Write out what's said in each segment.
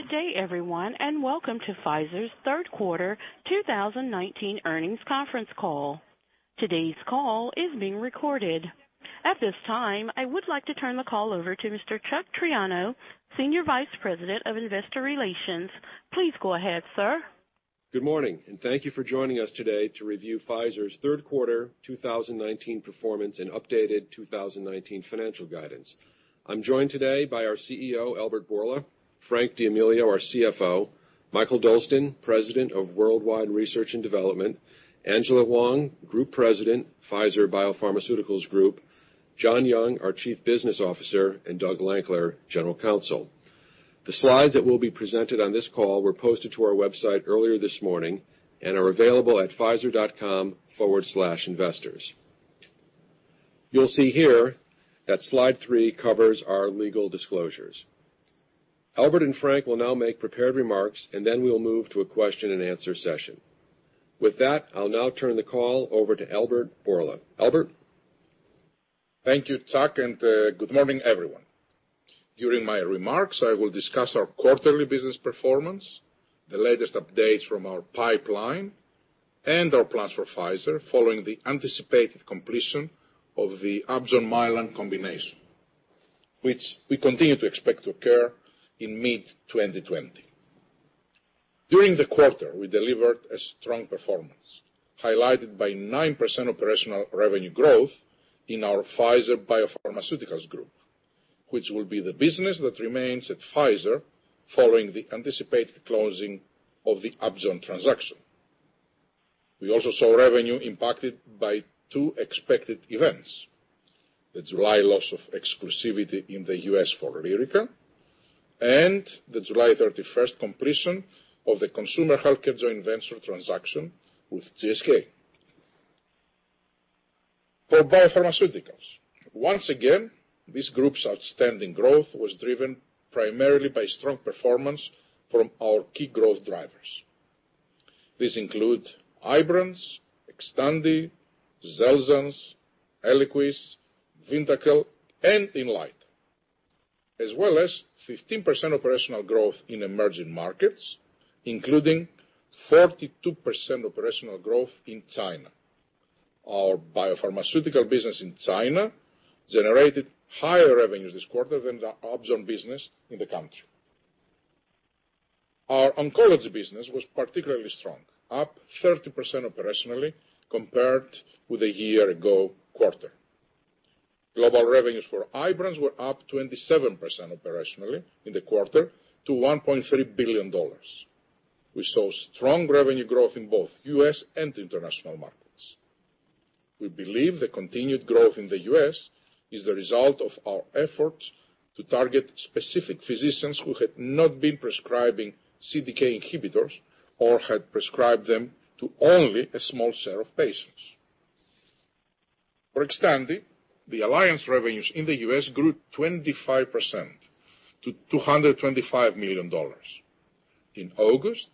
Good day everyone, welcome to Pfizer's third quarter 2019 earnings conference call. Today's call is being recorded. At this time, I would like to turn the call over to Mr. Chuck Triano, Senior Vice President of Investor Relations. Please go ahead, sir. Good morning. Thank you for joining us today to review Pfizer's third quarter 2019 performance and updated 2019 financial guidance. I'm joined today by our CEO, Albert Bourla, Frank D'Amelio, our CFO, Mikael Dolsten, President of Worldwide Research and Development, Angela Hwang, Group President, Pfizer Biopharmaceuticals Group, John Young, our Chief Business Officer, Doug Lankler, General Counsel. The slides that will be presented on this call were posted to our website earlier this morning and are available at pfizer.com/investors. You'll see here that slide three covers our legal disclosures. Albert and Frank will now make prepared remarks. Then we'll move to a question and answer session. With that, I'll now turn the call over to Albert Bourla. Albert? Thank you, Chuck, and good morning, everyone. During my remarks, I will discuss our quarterly business performance, the latest updates from our pipeline, and our plans for Pfizer following the anticipated completion of the Upjohn-Mylan combination, which we continue to expect to occur in mid-2020. During the quarter, we delivered a strong performance, highlighted by 9% operational revenue growth in our Pfizer Biopharmaceuticals Group, which will be the business that remains at Pfizer following the anticipated closing of the Upjohn transaction. We also saw revenue impacted by two expected events. The July loss of exclusivity in the U.S. for LYRICA and the July 31st completion of the Consumer Healthcare joint venture transaction with GSK. For Biopharmaceuticals, once again, this group's outstanding growth was driven primarily by strong performance from our key growth drivers. These include IBRANCE, XTANDI, XELJANZ, ELIQUIS, VYNDAQEL, and INLYTA, as well as 15% operational growth in emerging markets, including 42% operational growth in China. Our biopharmaceutical business in China generated higher revenues this quarter than the AbbVie business in the country. Our oncology business was particularly strong, up 30% operationally compared with a year ago quarter. Global revenues for IBRANCE were up 27% operationally in the quarter to $1.3 billion. We saw strong revenue growth in both U.S. and international markets. We believe the continued growth in the U.S. is the result of our efforts to target specific physicians who had not been prescribing CDK inhibitors or had prescribed them to only a small set of patients. For XTANDI, the alliance revenues in the U.S. grew 25% to $225 million. In August,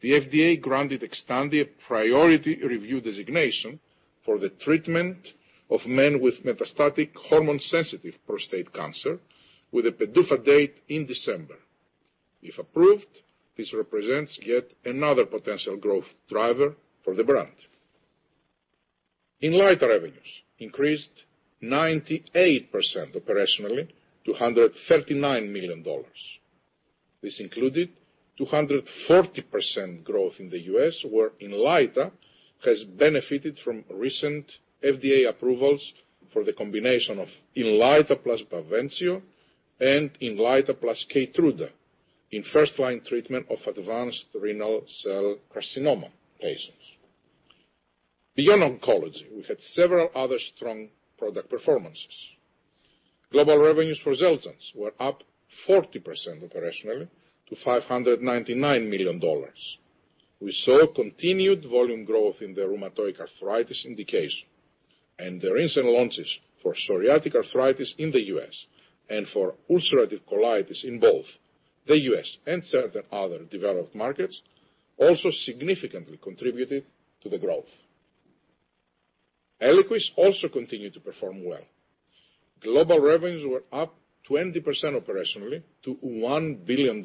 the FDA granted XTANDI a priority review designation for the treatment of men with metastatic hormone-sensitive prostate cancer with a PDUFA date in December. If approved, this represents yet another potential growth driver for the brand. INLYTA revenues increased 98% operationally to $139 million. This included 240% growth in the U.S., where INLYTA has benefited from recent FDA approvals for the combination of INLYTA plus BAVENCIO and INLYTA plus KEYTRUDA in first-line treatment of advanced renal cell carcinoma patients. Beyond oncology, we had several other strong product performances. Global revenues for XELJANZ were up 40% operationally to $599 million. We saw continued volume growth in the rheumatoid arthritis indication and the recent launches for psoriatic arthritis in the U.S. and for ulcerative colitis in both the U.S. and certain other developed markets also significantly contributed to the growth. ELIQUIS also continued to perform well. Global revenues were up 20% operationally to $1 billion.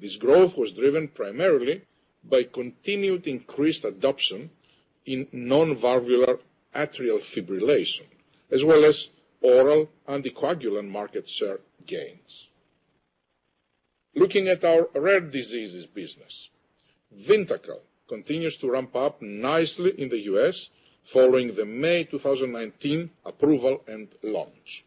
This growth was driven primarily by continued increased adoption in non-valvular atrial fibrillation, as well as oral anticoagulant market share gains. Looking at our rare diseases business, VYNDAQEL continues to ramp up nicely in the U.S. following the May 2019 approval and launch.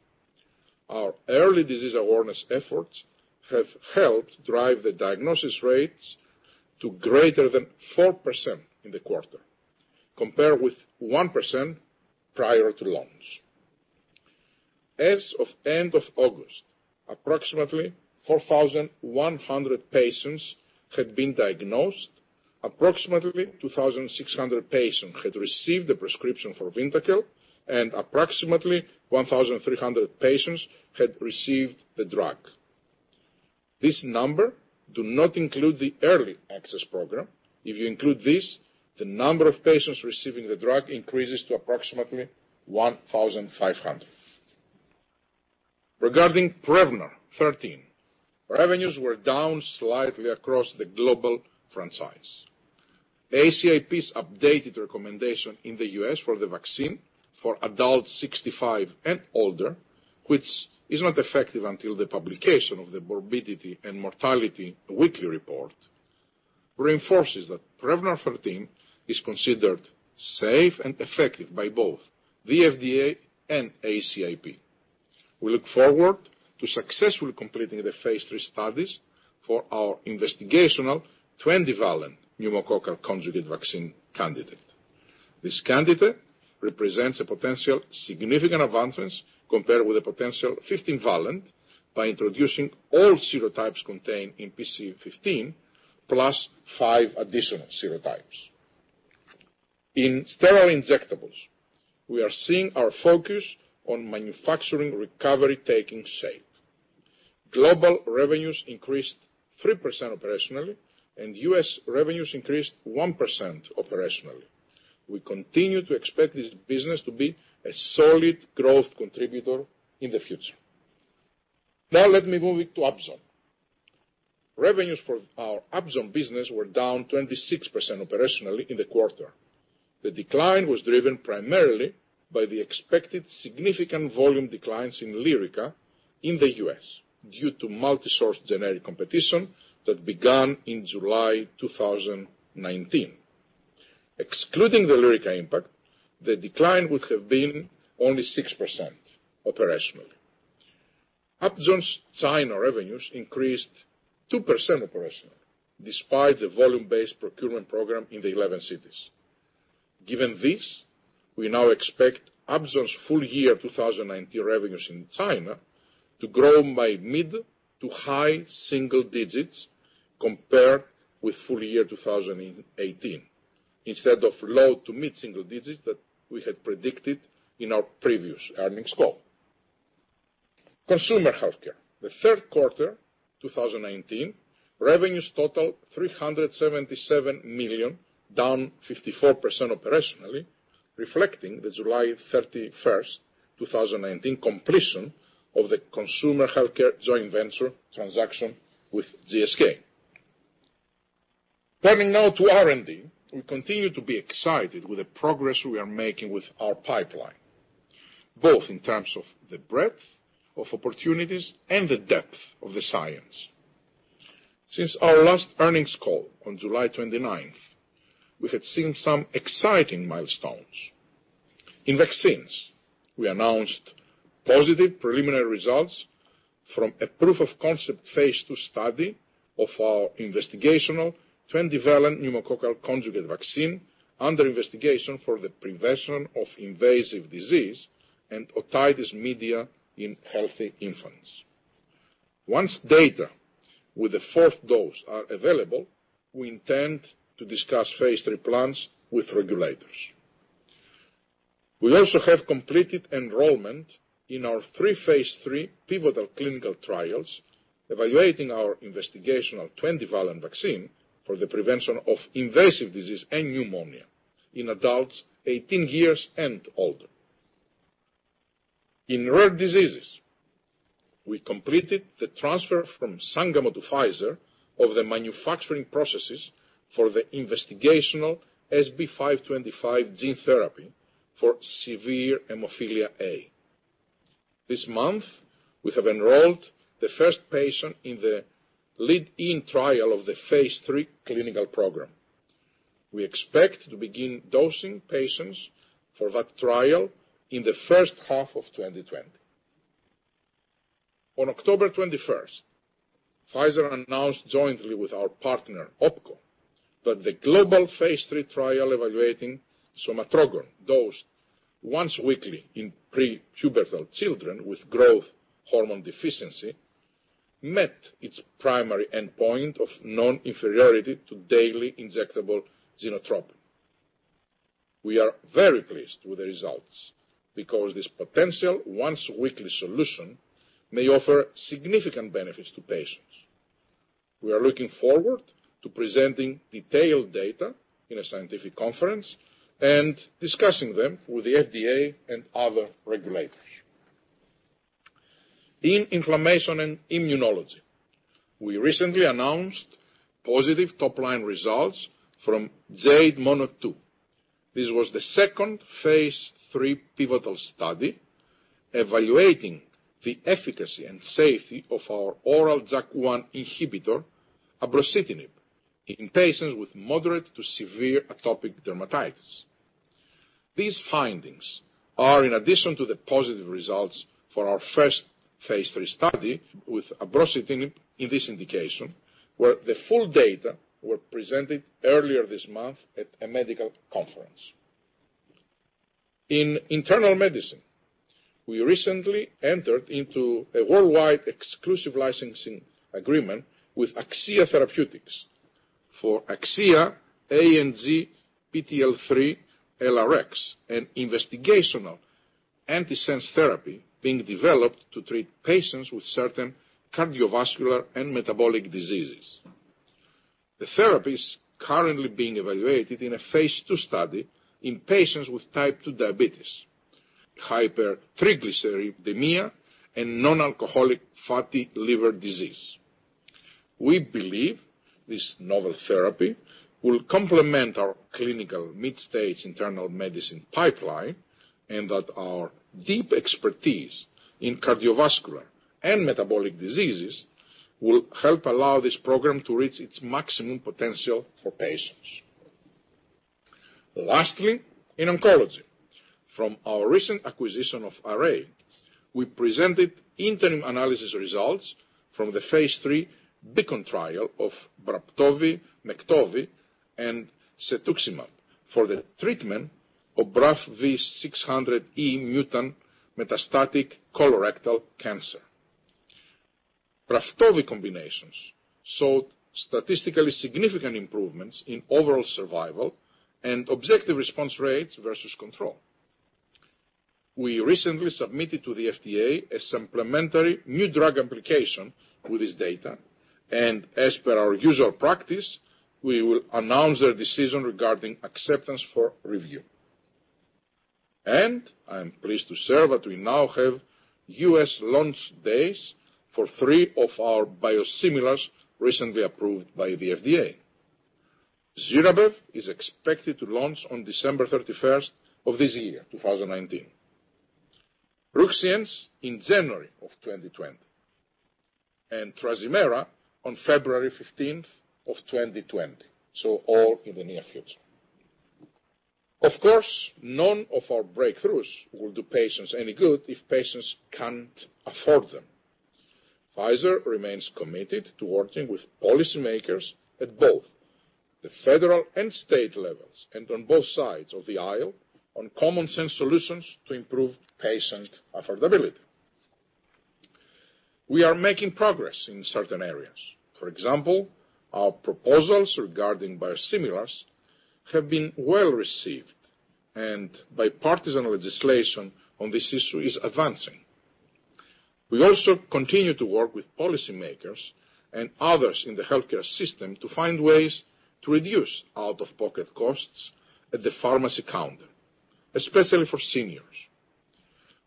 Our early disease awareness efforts have helped drive the diagnosis rates to greater than 4% in the quarter, compared with 1% prior to launch. As of end of August, approximately 4,100 patients had been diagnosed, approximately 2,600 patients had received a prescription for VYNDAQEL, and approximately 1,300 patients had received the drug. This number do not include the early access program. If you include this, the number of patients receiving the drug increases to approximately 1,500. Regarding Prevnar 13, revenues were down slightly across the global franchise. ACIP's updated recommendation in the U.S. for the vaccine for adults 65 and older, which is not effective until the publication of the Morbidity and Mortality Weekly Report, reinforces that Prevnar 13 is considered safe and effective by both the FDA and ACIP. We look forward to successfully completing the phase III studies for our investigational 20-valent pneumococcal conjugate vaccine candidate. This candidate represents a potential significant advancement compared with the potential 15 valent by introducing all serotypes contained in PCV15, plus 5 additional serotypes. In sterile injectables, we are seeing our focus on manufacturing recovery taking shape. Global revenues increased 3% operationally and U.S. revenues increased 1% operationally. We continue to expect this business to be a solid growth contributor in the future. Now let me move it to Upjohn. Revenues for our Upjohn business were down 26% operationally in the quarter. The decline was driven primarily by the expected significant volume declines in LYRICA in the U.S. due to multi-source generic competition that began in July 2019. Excluding the LYRICA impact, the decline would have been only 6% operationally. Upjohn's China revenues increased 2% operationally despite the volume-based procurement program in the 11 cities. Given this, we now expect Upjohn's full year 2019 revenues in China to grow by mid-to-high single digits compared with full year 2018, instead of low-to-mid single digits that we had predicted in our previous earnings call. Consumer Healthcare, the third quarter 2019, revenues totaled $377 million, down 54% operationally, reflecting the July 31st, 2019 completion of the Consumer Healthcare joint venture transaction with GSK. Turning now to R&D, we continue to be excited with the progress we are making with our pipeline, both in terms of the breadth of opportunities and the depth of the science. Since our last earnings call on July 29th, we have seen some exciting milestones. In vaccines, we announced positive preliminary results from a proof-of-concept phase II study of our investigational 20-valent pneumococcal conjugate vaccine under investigation for the prevention of invasive disease and otitis media in healthy infants. Once data with the fourth dose are available, we intend to discuss phase III plans with regulators. We also have completed enrollment in our 3 phase III pivotal clinical trials evaluating our investigational 20-valent vaccine for the prevention of invasive disease and pneumonia in adults 18 years and older. In rare diseases, we completed the transfer from Sangamo to Pfizer of the manufacturing processes for the investigational SB-525 gene therapy for severe hemophilia A. This month, we have enrolled the first patient in the lead-in trial of the phase III clinical program. We expect to begin dosing patients for that trial in the first half of 2020. On October 21st, Pfizer announced jointly with our partner, OPKO, that the global phase III trial evaluating somatrogon dosed once weekly in prepubertal children with growth hormone deficiency met its primary endpoint of non-inferiority to daily injectable GENOTROPIN. We are very pleased with the results because this potential once-weekly solution may offer significant benefits to patients. We are looking forward to presenting detailed data in a scientific conference and discussing them with the FDA and other regulators. In inflammation and immunology, we recently announced positive top-line results from JADE MONO-2. This was the second phase III pivotal study evaluating the efficacy and safety of our oral JAK1 inhibitor, abrocitinib, in patients with moderate to severe atopic dermatitis. These findings are in addition to the positive results for our first phase III study with abrocitinib in this indication, where the full data were presented earlier this month at a medical conference. In internal medicine, we recently entered into a worldwide exclusive licensing agreement with Akcea Therapeutics for AKCEA-ANGPTL3-LRx, an investigational antisense therapy being developed to treat patients with certain cardiovascular and metabolic diseases. The therapy's currently being evaluated in a phase II study in patients with type 2 diabetes, hypertriglyceridemia, and non-alcoholic fatty liver disease. We believe this novel therapy will complement our clinical mid-stage internal medicine pipeline, and that our deep expertise in cardiovascular and metabolic diseases will help allow this program to reach its maximum potential for patients. Lastly, in oncology, from our recent acquisition of Array, we presented interim analysis results from the phase III BEACON trial of BRAFTOVI, MEKTOVI, and cetuximab for the treatment of BRAF V600E mutant metastatic colorectal cancer. BRAFTOVI combinations saw statistically significant improvements in overall survival and objective response rates versus control. We recently submitted to the FDA a supplementary new drug application with this data. As per our usual practice, we will announce their decision regarding acceptance for review. I am pleased to share that we now have U.S. launch dates for three of our biosimilars recently approved by the FDA. ZIRABEV is expected to launch on December 31st of this year, 2019. RUXIENCE in January of 2020, TRAZIMERA on February 15th of 2020. All in the near future. Of course, none of our breakthroughs will do patients any good if patients can't afford them. Pfizer remains committed to working with policymakers at both the federal and state levels, and on both sides of the aisle on common sense solutions to improve patient affordability. We are making progress in certain areas. For example, our proposals regarding biosimilars have been well-received, and bipartisan legislation on this issue is advancing. We also continue to work with policymakers and others in the healthcare system to find ways to reduce out-of-pocket costs at the pharmacy counter, especially for seniors.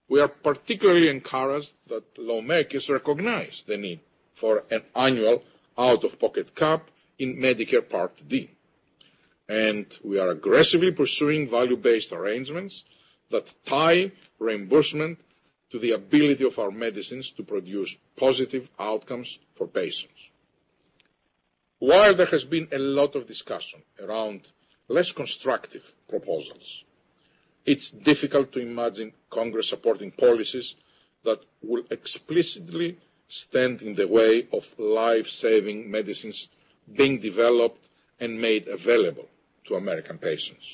We are particularly encouraged that lawmakers recognize the need for an annual out-of-pocket cap in Medicare Part D, and we are aggressively pursuing value-based arrangements that tie reimbursement to the ability of our medicines to produce positive outcomes for patients. While there has been a lot of discussion around less constructive proposals, it's difficult to imagine Congress supporting policies that will explicitly stand in the way of life-saving medicines being developed and made available to American patients.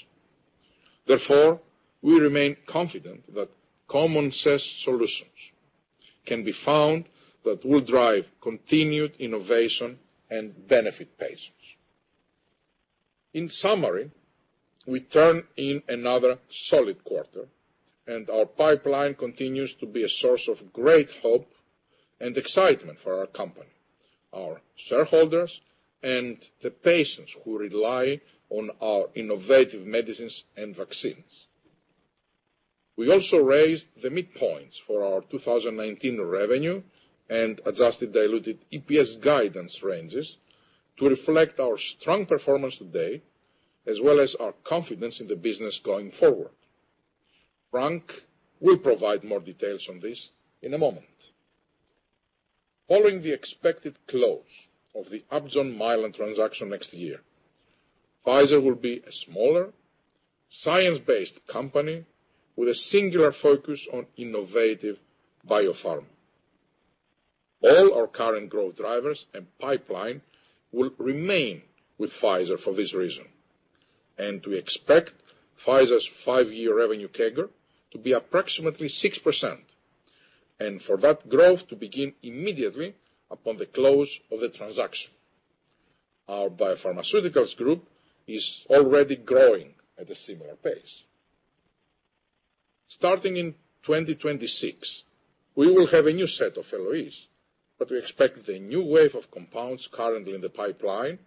Therefore, we remain confident that common sense solutions can be found that will drive continued innovation and benefit patients. In summary, we turn in another solid quarter, and our pipeline continues to be a source of great hope and excitement for our company, our shareholders, and the patients who rely on our innovative medicines and vaccines. We also raised the midpoints for our 2019 revenue and adjusted diluted EPS guidance ranges to reflect our strong performance today, as well as our confidence in the business going forward. Frank will provide more details on this in a moment. Following the expected close of the AbbVie-Mylan transaction next year, Pfizer will be a smaller, science-based company with a singular focus on innovative biopharma. All our current growth drivers and pipeline will remain with Pfizer for this reason. We expect Pfizer's five-year revenue CAGR to be approximately 6%, and for that growth to begin immediately upon the close of the transaction. Our Biopharmaceuticals Group is already growing at a similar pace. Starting in 2026, we will have a new set of LOEs, but we expect the new wave of compounds currently in the pipeline,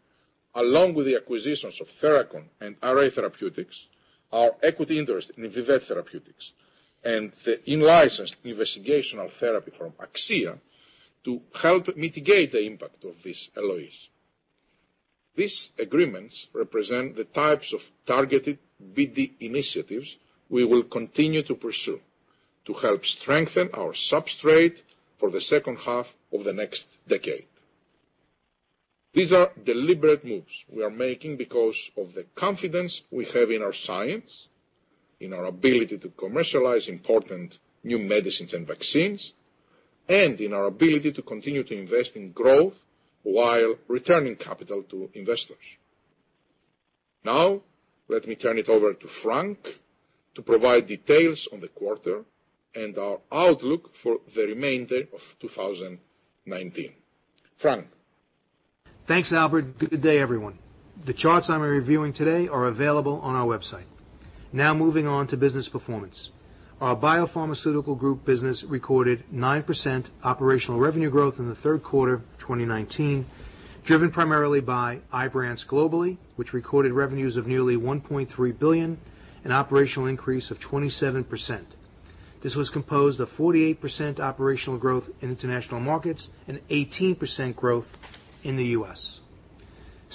along with the acquisitions of Therachon and Array BioPharma, our equity interest in Vivet Therapeutics, and the in-licensed investigational therapy from Akcea to help mitigate the impact of these LOEs. These agreements represent the types of targeted BD initiatives we will continue to pursue to help strengthen our substrate for the second half of the next decade. These are deliberate moves we are making because of the confidence we have in our science, in our ability to commercialize important new medicines and vaccines, and in our ability to continue to invest in growth while returning capital to investors. Now let me turn it over to Frank to provide details on the quarter and our outlook for the remainder of 2019. Frank. Thanks, Albert. Good day, everyone. The charts I'm reviewing today are available on our website. Moving on to business performance. Our Pfizer Biopharmaceuticals Group recorded 9% operational revenue growth in the third quarter of 2019, driven primarily by IBRANCE globally, which recorded revenues of nearly $1.3 billion, an operational increase of 27%. This was composed of 48% operational growth in international markets and 18% growth in the U.S.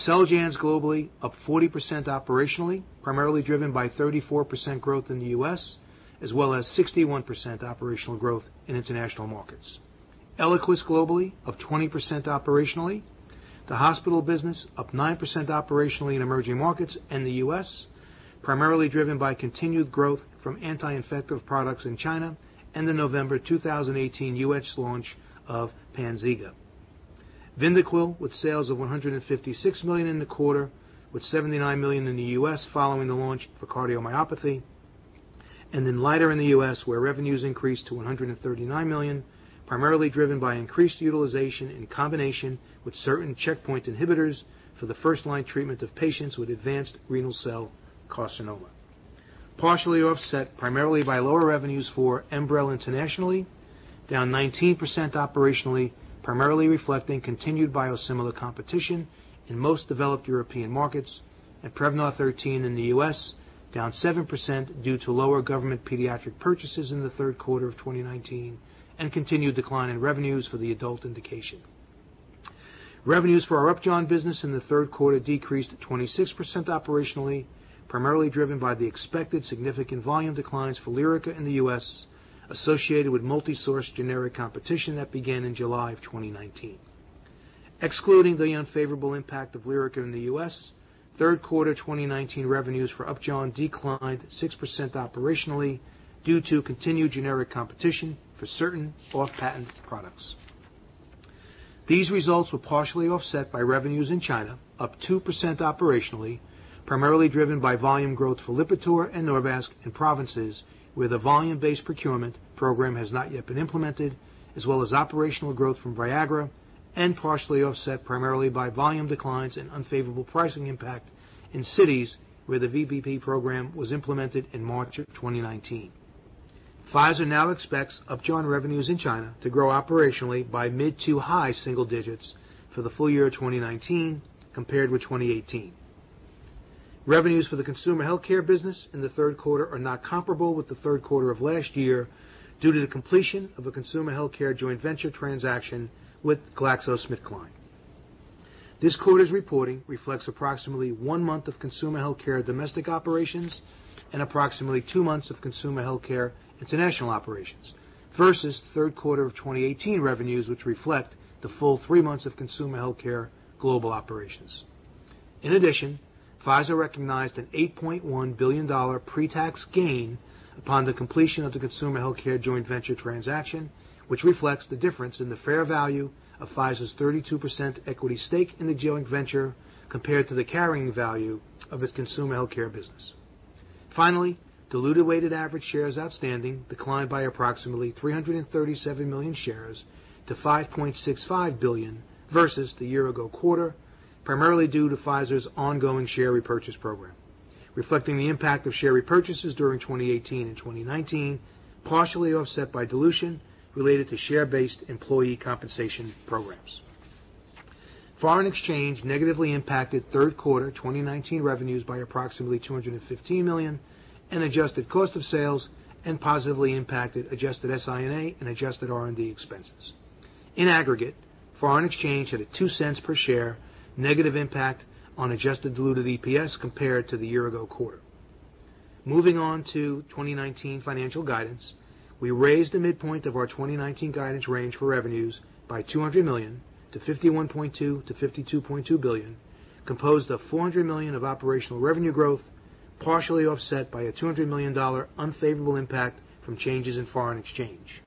XELJANZ globally up 40% operationally, primarily driven by 34% growth in the U.S., as well as 61% operational growth in international markets. ELIQUIS globally, up 20% operationally. The hospital business up 9% operationally in emerging markets and the U.S., primarily driven by continued growth from anti-infective products in China and the November 2018 U.S. launch of PANZYGA. VYNDAQEL, with sales of $156 million in the quarter, with $79 million in the U.S. following the launch for cardiomyopathy. INLYTA in the U.S., where revenues increased to $139 million, primarily driven by increased utilization in combination with certain checkpoint inhibitors for the first-line treatment of patients with advanced renal cell carcinoma. Partially offset primarily by lower revenues for ENBREL internationally, down 19% operationally, primarily reflecting continued biosimilar competition in most developed European markets, and Prevnar 13 in the U.S. down 7% due to lower government pediatric purchases in the third quarter of 2019 and continued decline in revenues for the adult indication. Revenues for our Upjohn business in the third quarter decreased 26% operationally, primarily driven by the expected significant volume declines for LYRICA in the U.S., associated with multi-source generic competition that began in July of 2019. Excluding the unfavorable impact of LYRICA in the U.S., third quarter 2019 revenues for Upjohn declined 6% operationally due to continued generic competition for certain off-patent products. These results were partially offset by revenues in China, up 2% operationally, primarily driven by volume growth for LIPITOR and NORVASC in provinces where the volume-based procurement program has not yet been implemented, as well as operational growth from VIAGRA, and partially offset primarily by volume declines and unfavorable pricing impact in cities where the VBP program was implemented in March of 2019. Pfizer now expects Upjohn revenues in China to grow operationally by mid-to-high single digits for the full year of 2019 compared with 2018. Revenues for the Consumer Healthcare business in the third quarter are not comparable with the third quarter of last year due to the completion of a Consumer Healthcare joint venture transaction with GlaxoSmithKline. This quarter's reporting reflects approximately one month of Consumer Healthcare domestic operations and approximately two months of Consumer Healthcare international operations versus third quarter of 2018 revenues, which reflect the full three months of Consumer Healthcare global operations. In addition, Pfizer recognized an $8.1 billion pre-tax gain upon the completion of the Consumer Healthcare joint venture transaction, which reflects the difference in the fair value of Pfizer's 32% equity stake in the joint venture compared to the carrying value of its Consumer Healthcare business. Finally, diluted weighted average shares outstanding declined by approximately 337 million shares to 5.65 billion versus the year-ago quarter, primarily due to Pfizer's ongoing share repurchase program, reflecting the impact of share repurchases during 2018 and 2019, partially offset by dilution related to share-based employee compensation programs. Foreign exchange negatively impacted third quarter 2019 revenues by approximately $215 million and adjusted cost of sales and positively impacted adjusted SI&A and adjusted R&D expenses. In aggregate, foreign exchange had a $0.02 per share negative impact on adjusted diluted EPS compared to the year-ago quarter. Moving on to 2019 financial guidance. We raised the midpoint of our 2019 guidance range for revenues by $200 million to $51.2 billion-$52.2 billion, composed of $400 million of operational revenue growth, partially offset by a $200 million unfavorable impact from changes in foreign exchange.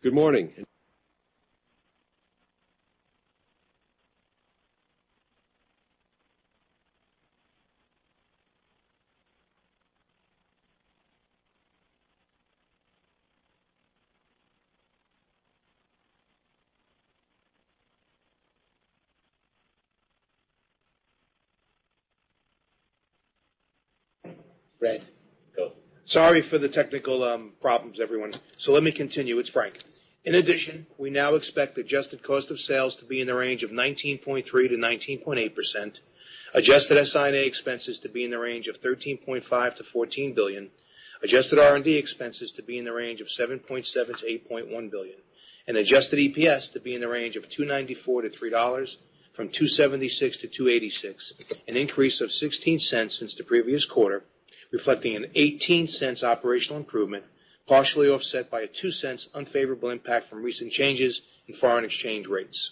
Good morning. Sorry for the technical problems, everyone. Let me continue. It's Frank. In addition, we now expect adjusted cost of sales to be in the range of 19.3%-19.8%, adjusted SI&A expenses to be in the range of $13.5 billion-$14 billion, adjusted R&D expenses to be in the range of $7.7 billion-$8.1 billion, and adjusted EPS to be in the range of $2.94-$3, from $2.76-$2.86, an increase of $0.16 since the previous quarter, reflecting an $0.18 operational improvement, partially offset by a $0.02 unfavorable impact from recent changes in foreign exchange rates.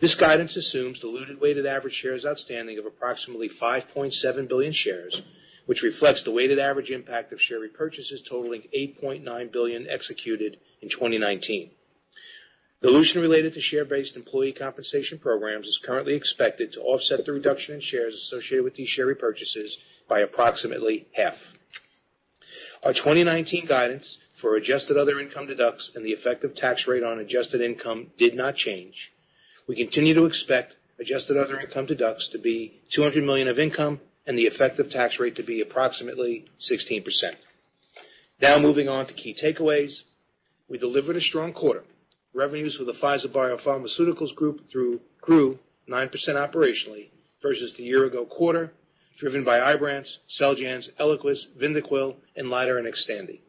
This guidance assumes diluted weighted average shares outstanding of approximately 5.7 billion shares, which reflects the weighted average impact of share repurchases totaling $8.9 billion executed in 2019. Dilution related to share-based employee compensation programs is currently expected to offset the reduction in shares associated with these share repurchases by approximately half. Our 2019 guidance for adjusted other income/deductions and the effective tax rate on adjusted income did not change. We continue to expect adjusted other income/deductions to be $200 million of income and the effective tax rate to be approximately 16%. Moving on to key takeaways. We delivered a strong quarter. Revenues for the Pfizer Biopharmaceuticals Group grew 9% operationally versus the year-ago quarter, driven by IBRANCE, XELJANZ, ELIQUIS, VYNDAQEL, LIPITOR, and XTANDI.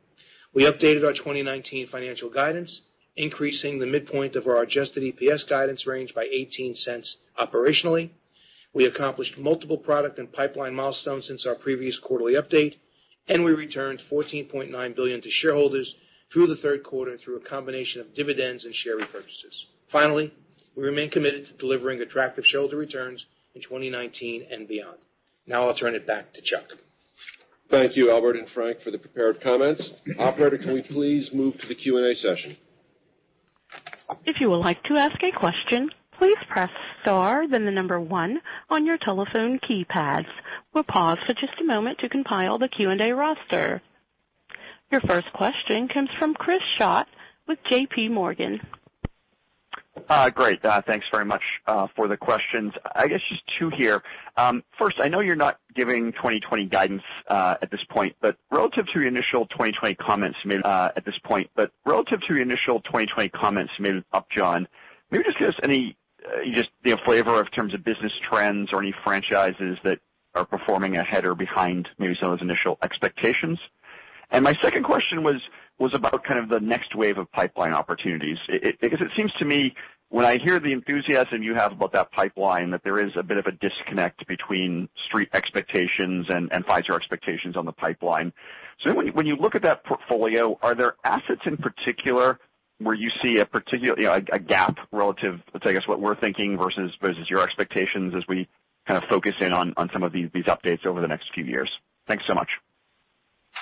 We updated our 2019 financial guidance, increasing the midpoint of our adjusted EPS guidance range by $0.18 operationally. We accomplished multiple product and pipeline milestones since our previous quarterly update, and we returned $14.9 billion to shareholders through the third quarter through a combination of dividends and share repurchases. We remain committed to delivering attractive shareholder returns in 2019 and beyond. I'll turn it back to Chuck. Thank you, Albert and Frank, for the prepared comments. Operator, can we please move to the Q&A session? If you would like to ask a question, please press star then the number one on your telephone keypads. We'll pause for just a moment to compile the Q&A roster. Your first question comes from Chris Schott with JPMorgan. Great. Thanks very much for the questions. I guess just two here. First, I know you're not giving 2020 guidance at this point, but relative to your initial 2020 comments made Upjohn, maybe just give us any flavor of terms of business trends or any franchises that are performing ahead or behind maybe some of those initial expectations. My second question was about kind of the next wave of pipeline opportunities. It seems to me when I hear the enthusiasm you have about that pipeline, that there is a bit of a disconnect between street expectations and Pfizer expectations on the pipeline. When you look at that portfolio, are there assets in particular where you see a gap relative to, I guess, what we're thinking versus your expectations as we kind of focus in on some of these updates over the next few years? Thanks so much.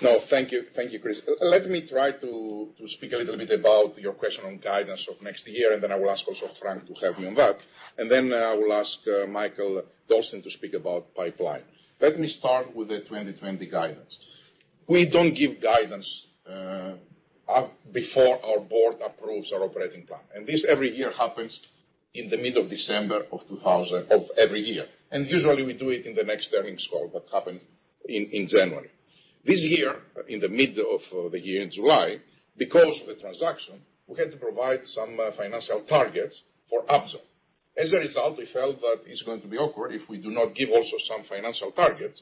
No, thank you, Chris. Let me try to speak a little bit about your question on guidance of next year, then I will ask also Frank to help me on that. Then I will ask Mikael Dolsten to speak about pipeline. Let me start with the 2020 guidance. We don't give guidance before our board approves our operating plan. This every year happens in mid-December of every year. Usually we do it in the next earnings call that happen in January. This year, in mid-year in July, because of the transaction, we had to provide some financial targets for Amgen. As a result, we felt that it's going to be awkward if we do not give also some financial targets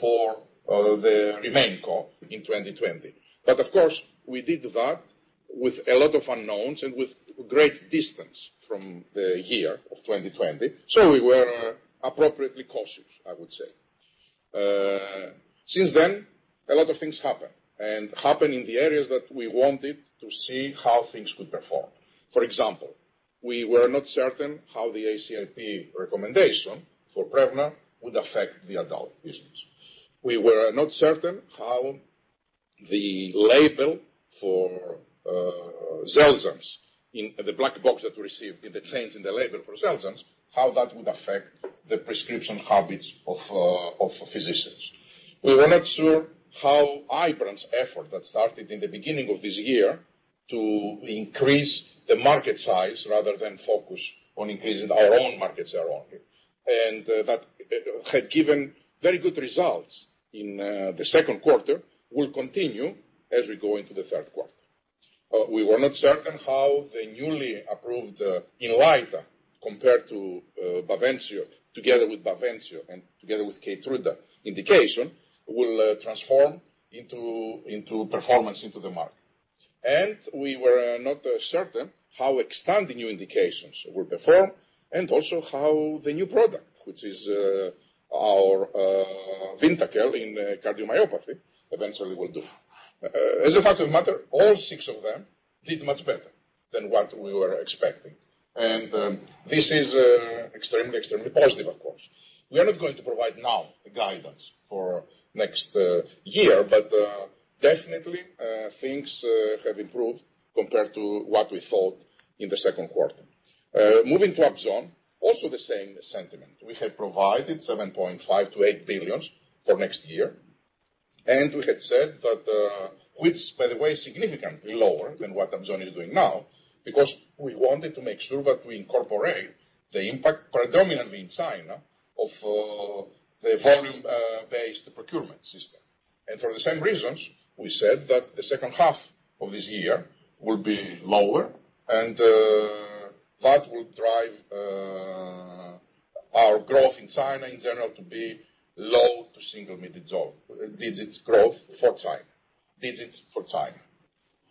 for RemainCo in 2020. Of course, we did that with a lot of unknowns and with great distance from the year of 2020. We were appropriately cautious, I would say. Since then, a lot of things happened, and happened in the areas that we wanted to see how things would perform. For example, we were not certain how the ACIP recommendation for Prevnar would affect the adult business. We were not certain how the label for Xeljanz, the black box that we received in the change in the label for Xeljanz, how that would affect the prescription habits of physicians. We were not sure how Ibrance effort that started in the beginning of this year to increase the market size rather than focus on increasing our own market share only. That had given very good results in the second quarter, will continue as we go into the third quarter. We were not certain how the newly approved INLYTA compared to BAVENCIO, together with BAVENCIO and together with KEYTRUDA indication, will transform into performance into the market. We were not certain how XTANDI new indications will perform and also how the new product, which is our VYNDAQEL in cardiomyopathy eventually will do. As a matter of fact, all six of them did much better than what we were expecting. This is extremely positive, of course. We are not going to provide now guidance for next year, definitely things have improved compared to what we thought in the second quarter. Moving to Upjohn, also the same sentiment. We had provided $7.5 billion-$8 billion for next year, and we had said that, which by the way, is significantly lower than what Upjohn is doing now because we wanted to make sure that we incorporate the impact predominantly in China of the volume-based procurement system. For the same reasons, we said that the second half of this year will be lower and that will drive our growth in China in general to be low to single-mid digits growth for China. Digits for China.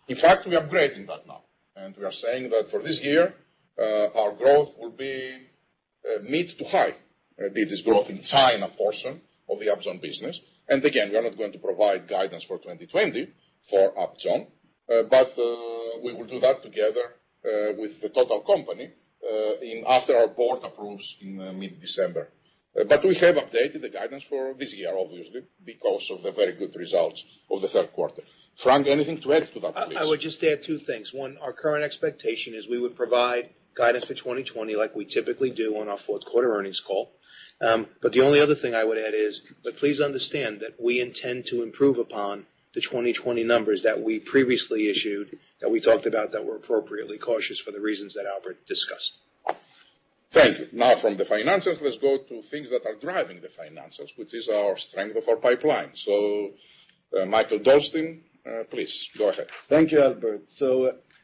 In fact, we are upgrading that now, and we are saying that for this year our growth will be Mid to high. This is growth in China portion of the Upjohn business. Again, we are not going to provide guidance for 2020 for Upjohn. We will do that together with the total company after our board approves in mid-December. We have updated the guidance for this year, obviously, because of the very good results of the third quarter. Frank, anything to add to that, please? I would just add two things. One, our current expectation is we would provide guidance for 2020 like we typically do on our fourth quarter earnings call. The only other thing I would add is, but please understand that we intend to improve upon the 2020 numbers that we previously issued, that we talked about that were appropriately cautious for the reasons that Albert discussed. Thank you. Now from the financials, let's go to things that are driving the finances, which is our strength of our pipeline. Mikael Dolsten please, go ahead. Thank you, Albert.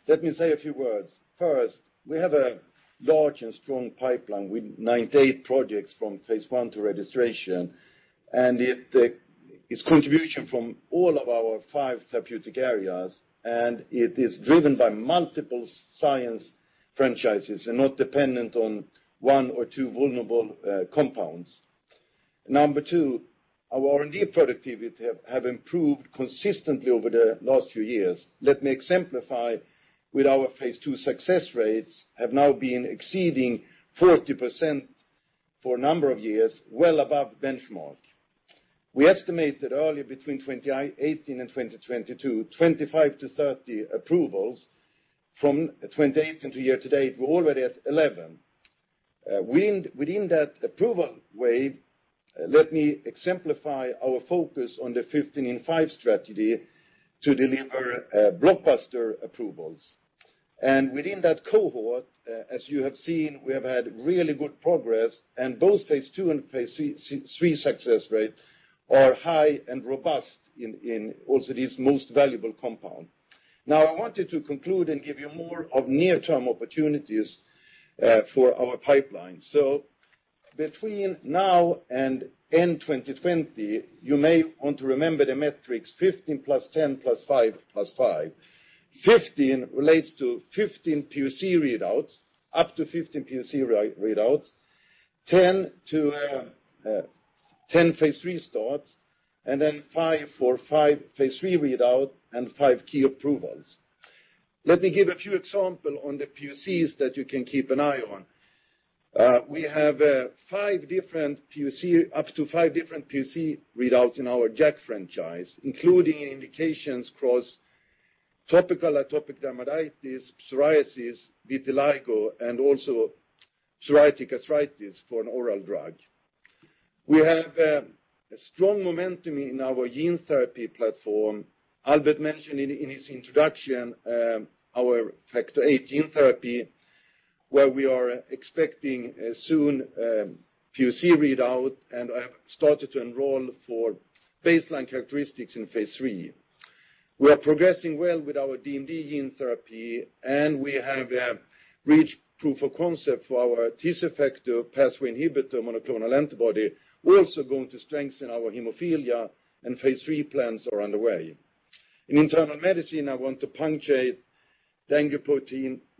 Let me say a few words. First, we have a large and strong pipeline with 98 projects from phase I to registration, and its contribution from all of our five therapeutic areas, and it is driven by multiple science franchises and not dependent on one or two vulnerable compounds. Number two, our R&D productivity have improved consistently over the last few years. Let me exemplify with our phase II success rates have now been exceeding 40% for a number of years, well above benchmark. We estimated earlier between 2018 and 2022, 25 to 30 approvals. From 2018 to year to date, we're already at 11. Within that approval wave, let me exemplify our focus on the 15 in 5 strategy to deliver blockbuster approvals. Within that cohort, as you have seen, we have had really good progress and both phase II and phase III success rate are high and robust in also these most valuable compound. I wanted to conclude and give you more of near-term opportunities for our pipeline. Between now and end 2020, you may want to remember the metrics 15 plus 10 plus 5 plus 5. 15 relates to 15 POC readouts, up to 15 POC readouts, 10 phase III starts, and then 5 for 5 phase III readout and 5 key approvals. Let me give a few example on the POCs that you can keep an eye on. We have up to 5 different POC readouts in our JAK franchise, including indications across topical atopic dermatitis, psoriasis, vitiligo, and also psoriatic arthritis for an oral drug. We have a strong momentum in our gene therapy platform. Albert mentioned in his introduction our factor VIII gene therapy, where we are expecting a soon POC readout and have started to enroll for baseline characteristics in phase III. We are progressing well with our DMD gene therapy, and we have reached proof of concept for our tissue factor pathway inhibitor monoclonal antibody. We're also going to strengthen our hemophilia and phase III plans are underway. In internal medicine, I want to punctuate ANGPTL3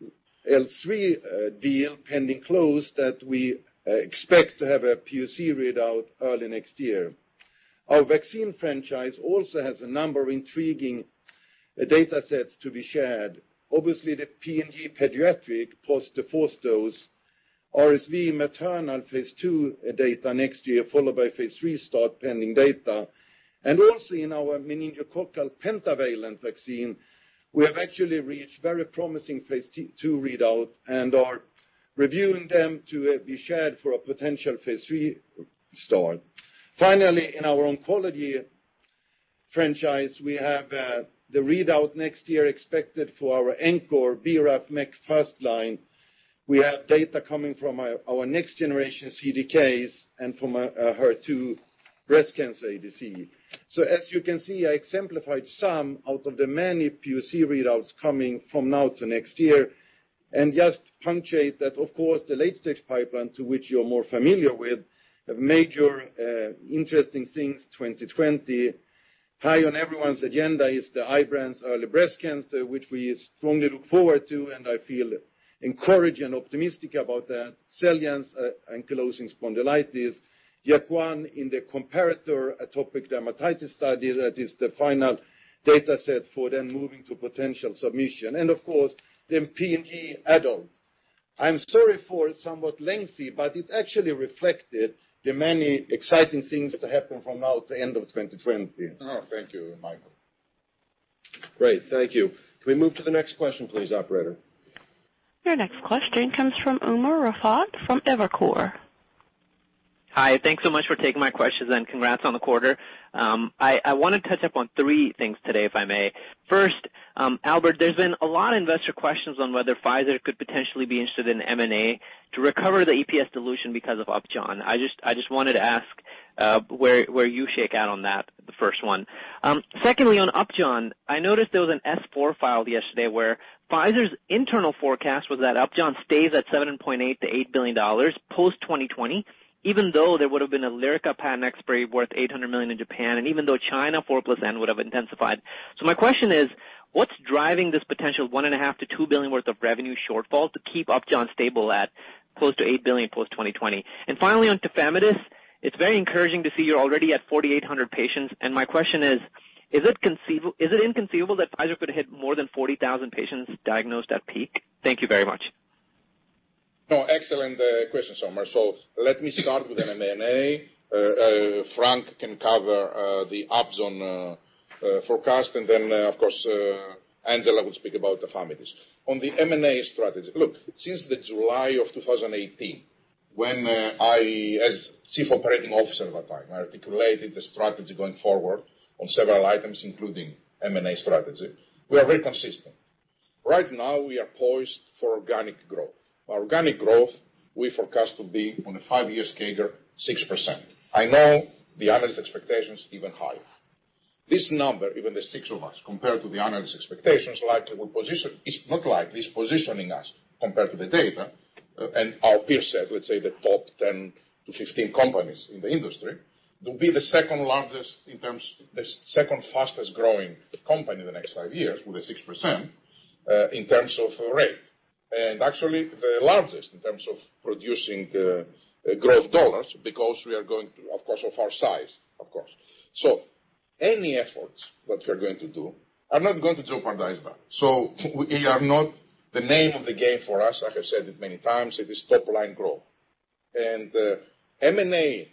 deal pending close that we expect to have a POC readout early next year. Our vaccine franchise also has a number of intriguing data sets to be shared. Obviously, the PCV pediatric post fourth dose, RSV maternal phase II data next year, followed by phase III start pending data. Also in our meningococcal pentavalent vaccine, we have actually reached very promising phase II readout and are reviewing them to be shared for a potential phase III start. Finally, in our oncology franchise, we have the readout next year expected for our ENCORE-BRAF MEK first line. We have data coming from our next generation CDKs and from our HER2 breast cancer ADC. As you can see, I exemplified some out of the many POC readouts coming from now to next year and just punctuate that, of course, the late-stage pipeline to which you're more familiar with have major interesting things 2020. High on everyone's agenda is the IBRANCE early breast cancer, which we strongly look forward to, and I feel encouraged and optimistic about that. XELJANZ ankylosing spondylitis. JAK1 in the comparator atopic dermatitis study that is the final data set for then moving to potential submission. Of course, then [P&G] adult. I'm sorry for somewhat lengthy, but it actually reflected the many exciting things to happen from now to end of 2020. Oh, thank you, Mikael. Great. Thank you. Can we move to the next question please, operator? Your next question comes from Umer Raffat from Evercore. Hi. Thanks so much for taking my questions and congrats on the quarter. I want to touch up on three things today, if I may. First, Albert, there's been a lot of investor questions on whether Pfizer could potentially be interested in M&A to recover the EPS dilution because of Upjohn. I just wanted to ask where you shake out on that, the first one. Secondly, on Upjohn, I noticed there was an S-4 filed yesterday where Pfizer's internal forecast was that Upjohn stays at $7.8 billion-$8 billion post-2020, even though there would have been a LYRICA patent expiry worth $800 million in Japan, and even though China 4+N would have intensified. What's driving this potential $one and a half billion to $2 billion worth of revenue shortfall to keep Upjohn stable at close to $8 billion post-2020? Finally, on tafamidis, it's very encouraging to see you're already at 4,800 patients. My question is it inconceivable that Pfizer could hit more than 40,000 patients diagnosed at peak? Thank you very much. No, excellent questions, Umer. Let me start with M&A. Frank can cover the Upjohn forecast, and then, of course, Angela will speak about Tafamidis. On the M&A strategy. Look, since the July of 2018, when I, as Chief Operating Officer at that time, articulated the strategy going forward on several items, including M&A strategy, we are very consistent. Right now, we are poised for organic growth. Our organic growth we forecast to be on a five-year CAGR, 6%. I know the analyst expectation is even higher. This number, even the six of us, compared to the analyst expectations is positioning us compared to the data, and our peer set, let's say the top 10-15 companies in the industry, to be the second fastest-growing company in the next five years with a 6% in terms of rate. Actually, the largest in terms of producing growth dollars because we are going to, of course, of our size. Any efforts that we're going to do are not going to jeopardize that. We are not the name of the game for us. I have said it many times, it is top-line growth. M&A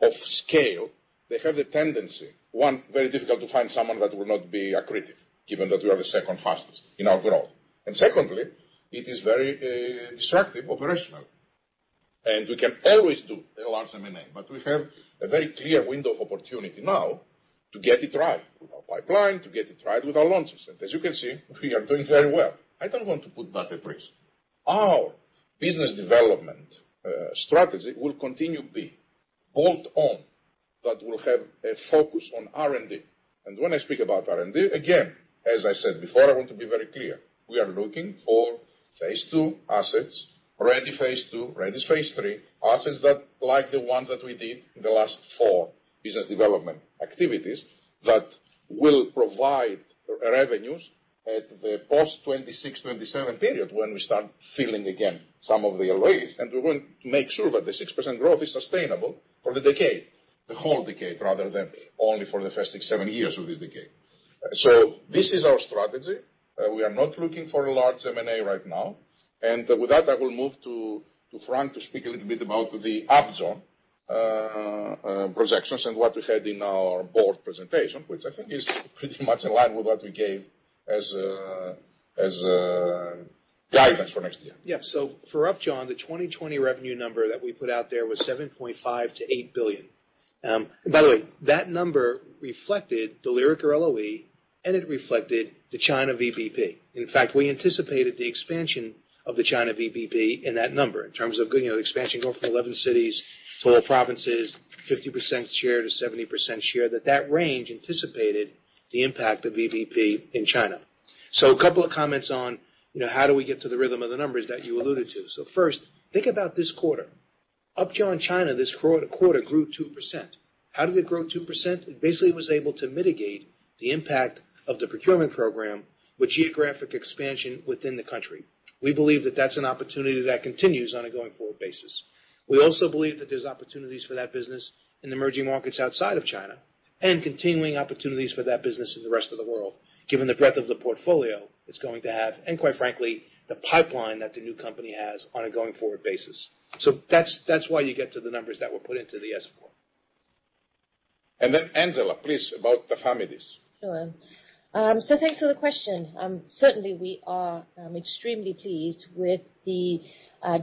of scale, they have the tendency, one, very difficult to find someone that will not be accretive, given that we are the second fastest in our growth. Secondly, it is very destructive operational. We can always do a large M&A, but we have a very clear window of opportunity now to get it right with our pipeline, to get it right with our launches. As you can see, we are doing very well. I don't want to put that at risk. Our business development strategy will continue to be bolt-on that will have a focus on R&D. When I speak about R&D, again, as I said before, I want to be very clear. We are looking for phase II assets, ready phase II, ready phase III assets that like the ones that we did in the last four business development activities that will provide revenues at the post-26, 27 period when we start filling again some of the LOEs. We want to make sure that the 6% growth is sustainable for the decade, the whole decade, rather than only for the first six, seven years of this decade. This is our strategy. We are not looking for a large M&A right now. With that, I will move to Frank to speak a little bit about the Upjohn projections and what we had in our board presentation, which I think is pretty much in line with what we gave as guidance for next year. For Upjohn, the 2020 revenue number that we put out there was $7.5 billion-$8 billion. By the way, that number reflected Praluent LOE, and it reflected the China VBP. In fact, we anticipated the expansion of the China VBP in that number in terms of expansion going from 11 cities to all provinces, 50%-70% share, that range anticipated the impact of VBP in China. A couple of comments on how do we get to the rhythm of the numbers that you alluded to. First, think about this quarter. Upjohn China this quarter grew 2%. How did it grow 2%? It basically was able to mitigate the impact of the procurement program with geographic expansion within the country. We believe that that's an opportunity that continues on a going-forward basis. We also believe that there's opportunities for that business in emerging markets outside of China and continuing opportunities for that business in the rest of the world, given the breadth of the portfolio it's going to have, and quite frankly, the pipeline that the new company has on a going-forward basis. That's why you get to the numbers that were put into the S-4. Angela, please, about tafamidis. Hello. Thanks for the question. Certainly, we are extremely pleased with the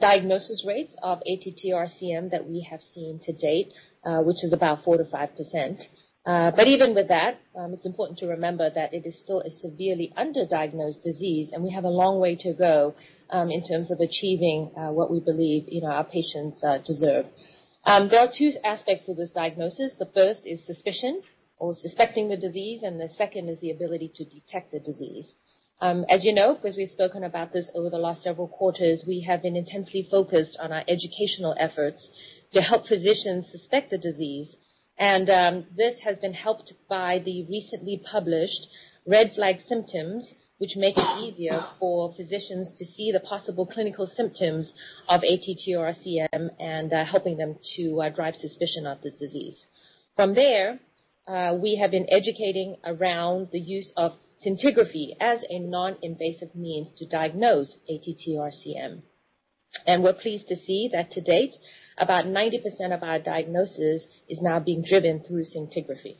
diagnosis rates of ATTR-CM that we have seen to date, which is about 4% to 5%. Even with that, it's important to remember that it is still a severely underdiagnosed disease, and we have a long way to go in terms of achieving what we believe our patients deserve. There are two aspects to this diagnosis. The first is suspicion or suspecting the disease, and the second is the ability to detect the disease. As you know, because we've spoken about this over the last several quarters, we have been intensely focused on our educational efforts to help physicians suspect the disease. This has been helped by the recently published red flag symptoms, which make it easier for physicians to see the possible clinical symptoms of ATTR-CM and helping them to drive suspicion of this disease. From there, we have been educating around the use of scintigraphy as a non-invasive means to diagnose ATTR-CM. We're pleased to see that to date, about 90% of our diagnosis is now being driven through scintigraphy.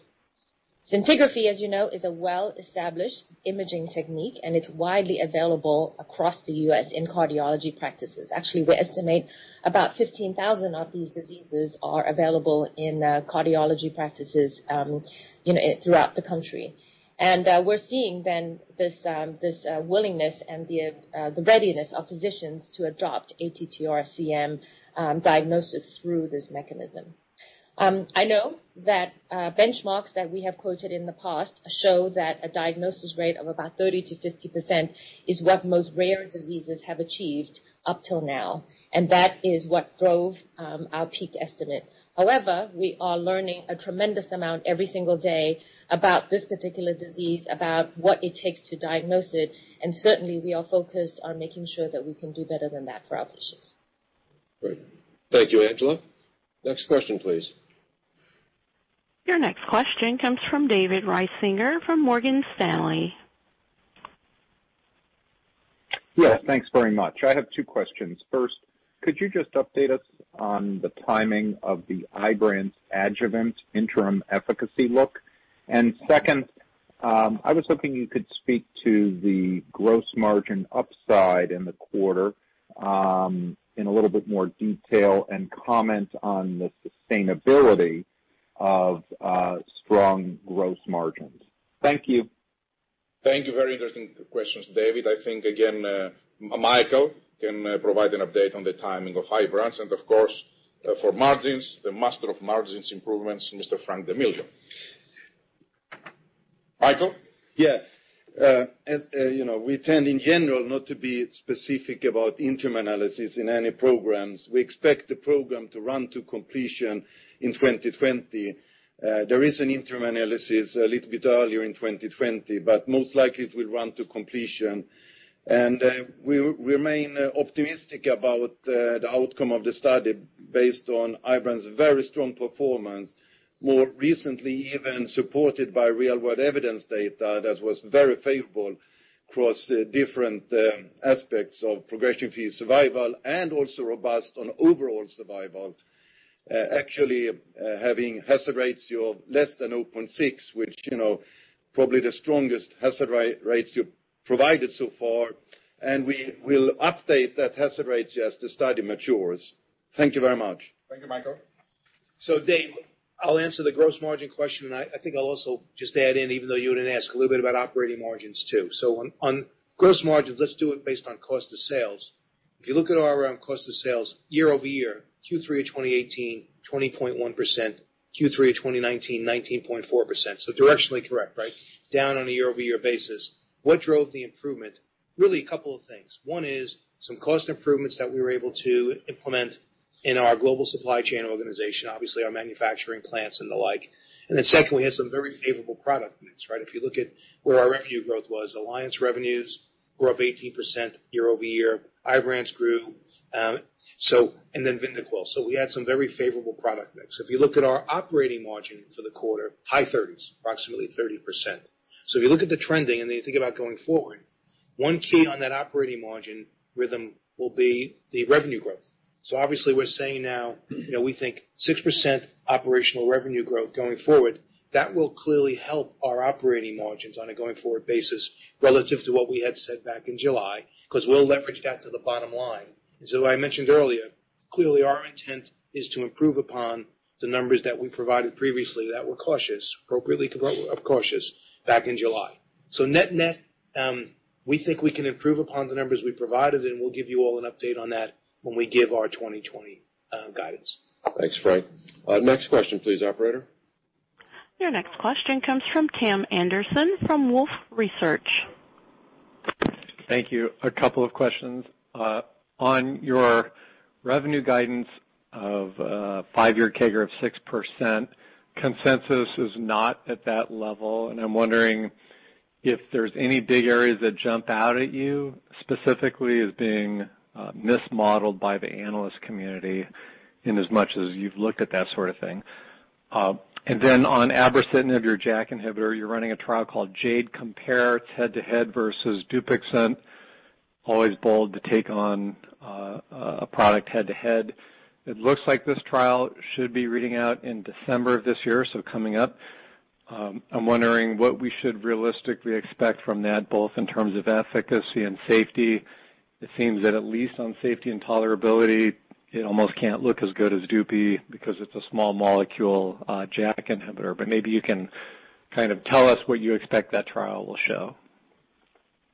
Scintigraphy, as you know, is a well-established imaging technique, and it's widely available across the U.S. in cardiology practices. Actually, we estimate about 15,000 of these devices are available in cardiology practices throughout the country. We're seeing then this willingness and the readiness of physicians to adopt ATTR-CM diagnosis through this mechanism. I know that benchmarks that we have quoted in the past show that a diagnosis rate of about 30%-50% is what most rare diseases have achieved up till now, that is what drove our peak estimate. However, we are learning a tremendous amount every single day about this particular disease, about what it takes to diagnose it, and certainly, we are focused on making sure that we can do better than that for our patients. Great. Thank you, Angela. Next question, please. Your next question comes from David Risinger from Morgan Stanley. Yes. Thanks very much. I have two questions. First, could you just update us on the timing of the IBRANCE adjuvant interim efficacy look? Second, I was hoping you could speak to the gross margin upside in the quarter in a little bit more detail and comment on the sustainability of strong gross margins. Thank you. Thank you. Very interesting questions, David. I think, again, Mikael can provide an update on the timing of IBRANCE and of course, for margins, the master of margins improvements, Mr. Frank D'Amelio. Mikael? Yeah. We tend, in general, not to be specific about interim analysis in any programs. We expect the program to run to completion in 2020. There is an interim analysis a little bit earlier in 2020, but most likely it will run to completion. We remain optimistic about the outcome of the study based on IBRANCE very strong performance, more recently, even supported by real-world evidence data that was very favorable across different aspects of progression-free survival, and also robust on overall survival. Actually, having hazard rates of less than 0.6, which probably the strongest hazard rates you provided so far. We will update that hazard rates as the study matures. Thank you very much. Thank you, Mikael. Dave, I'll answer the gross margin question. I think I'll also just add in, even though you didn't ask, a little bit about operating margins too. On gross margins, let's do it based on cost of sales. If you look at our cost of sales year-over-year, Q3 2018, 20.1%, Q3 2019, 19.4%. Directionally correct, right? Down on a year-over-year basis. What drove the improvement? Really a couple of things. One is some cost improvements that we were able to implement in our global supply chain organization, obviously our manufacturing plants and the like. Secondly, we had some very favorable product mix. If you look at where our revenue growth was, Alliance revenues were up 18% year-over-year, IBRANCE grew, and then VYNDAQEL. If you look at our operating margin for the quarter, high 30s, approximately 30%. If you look at the trending and then you think about going forward, one key on that operating margin rhythm will be the revenue growth. Obviously we're saying now, we think 6% operational revenue growth going forward. That will clearly help our operating margins on a going-forward basis relative to what we had said back in July. We'll leverage that to the bottom line. I mentioned earlier, clearly our intent is to improve upon the numbers that we provided previously that were cautious, appropriately cautious back in July. Net-net, we think we can improve upon the numbers we provided, and we'll give you all an update on that when we give our 2020 guidance. Thanks, Frank. Next question please, operator. Your next question comes from Tim Anderson from Wolfe Research. Thank you. A couple of questions. On your revenue guidance of five-year CAGR of 6%, consensus is not at that level, and I'm wondering if there's any big areas that jump out at you specifically as being mismodeled by the analyst community in as much as you've looked at that sort of thing. On abrocitinib, your JAK inhibitor, you're running a trial called JADE COMPARE. It's head-to-head versus DUPIXENT. Always bold to take on a product head-to-head. It looks like this trial should be reading out in December of this year, so coming up. I'm wondering what we should realistically expect from that, both in terms of efficacy and safety. It seems that at least on safety and tolerability, it almost can't look as good as DUPIXENT because it's a small molecule JAK inhibitor, but maybe you can tell us what you expect that trial will show.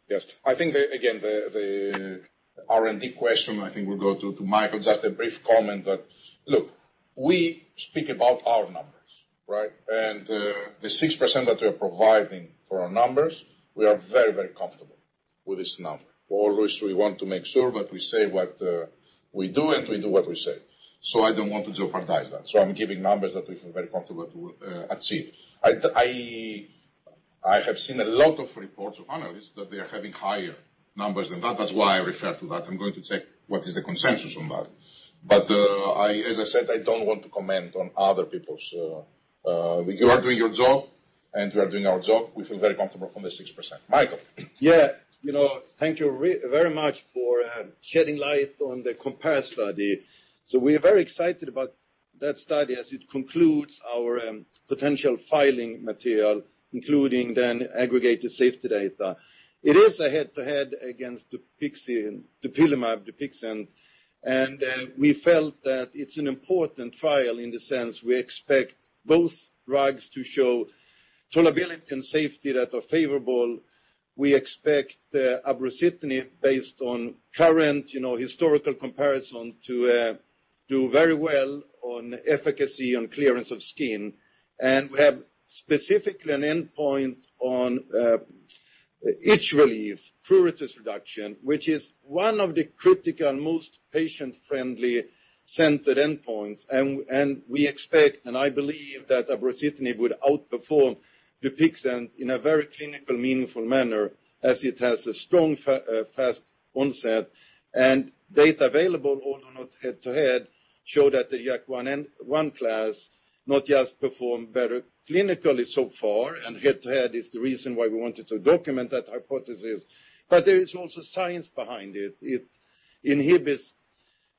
Yes. I think, again, the R&D question, I think will go to Mikael. Just a brief comment that, look, we speak about our numbers, right? The 6% that we are providing for our numbers, we are very, very comfortable with this number. Always, we want to make sure that we say what we do and we do what we say. I don't want to jeopardize that. I'm giving numbers that we feel very comfortable to achieve. I have seen a lot of reports of analysts that they are having higher numbers than that. That's why I refer to that. I'm going to take what is the consensus on that. As I said, I don't want to comment on other people's. You are doing your job and we are doing our job. We feel very comfortable on the 6%. Mikael. Yeah. Thank you very much for shedding light on the Compare study. We are very excited about that study as it concludes our potential filing material, including then aggregated safety data. It is a head-to-head against dupilumab, DUPIXENT, and we felt that it's an important trial in the sense we expect both drugs to show tolerability and safety that are favorable. We expect abrocitinib based on current historical comparison to do very well on efficacy, on clearance of skin. We have specifically an endpoint on itch relief, pruritus reduction, which is one of the critical most patient-friendly centered endpoints. We expect, and I believe that abrocitinib would outperform DUPIXENT in a very clinical meaningful manner as it has a strong, fast onset. Data available, although not head-to-head, show that the JAK1 class not just performed better clinically so far, and head-to-head is the reason why we wanted to document that hypothesis, but there is also science behind it. It inhibits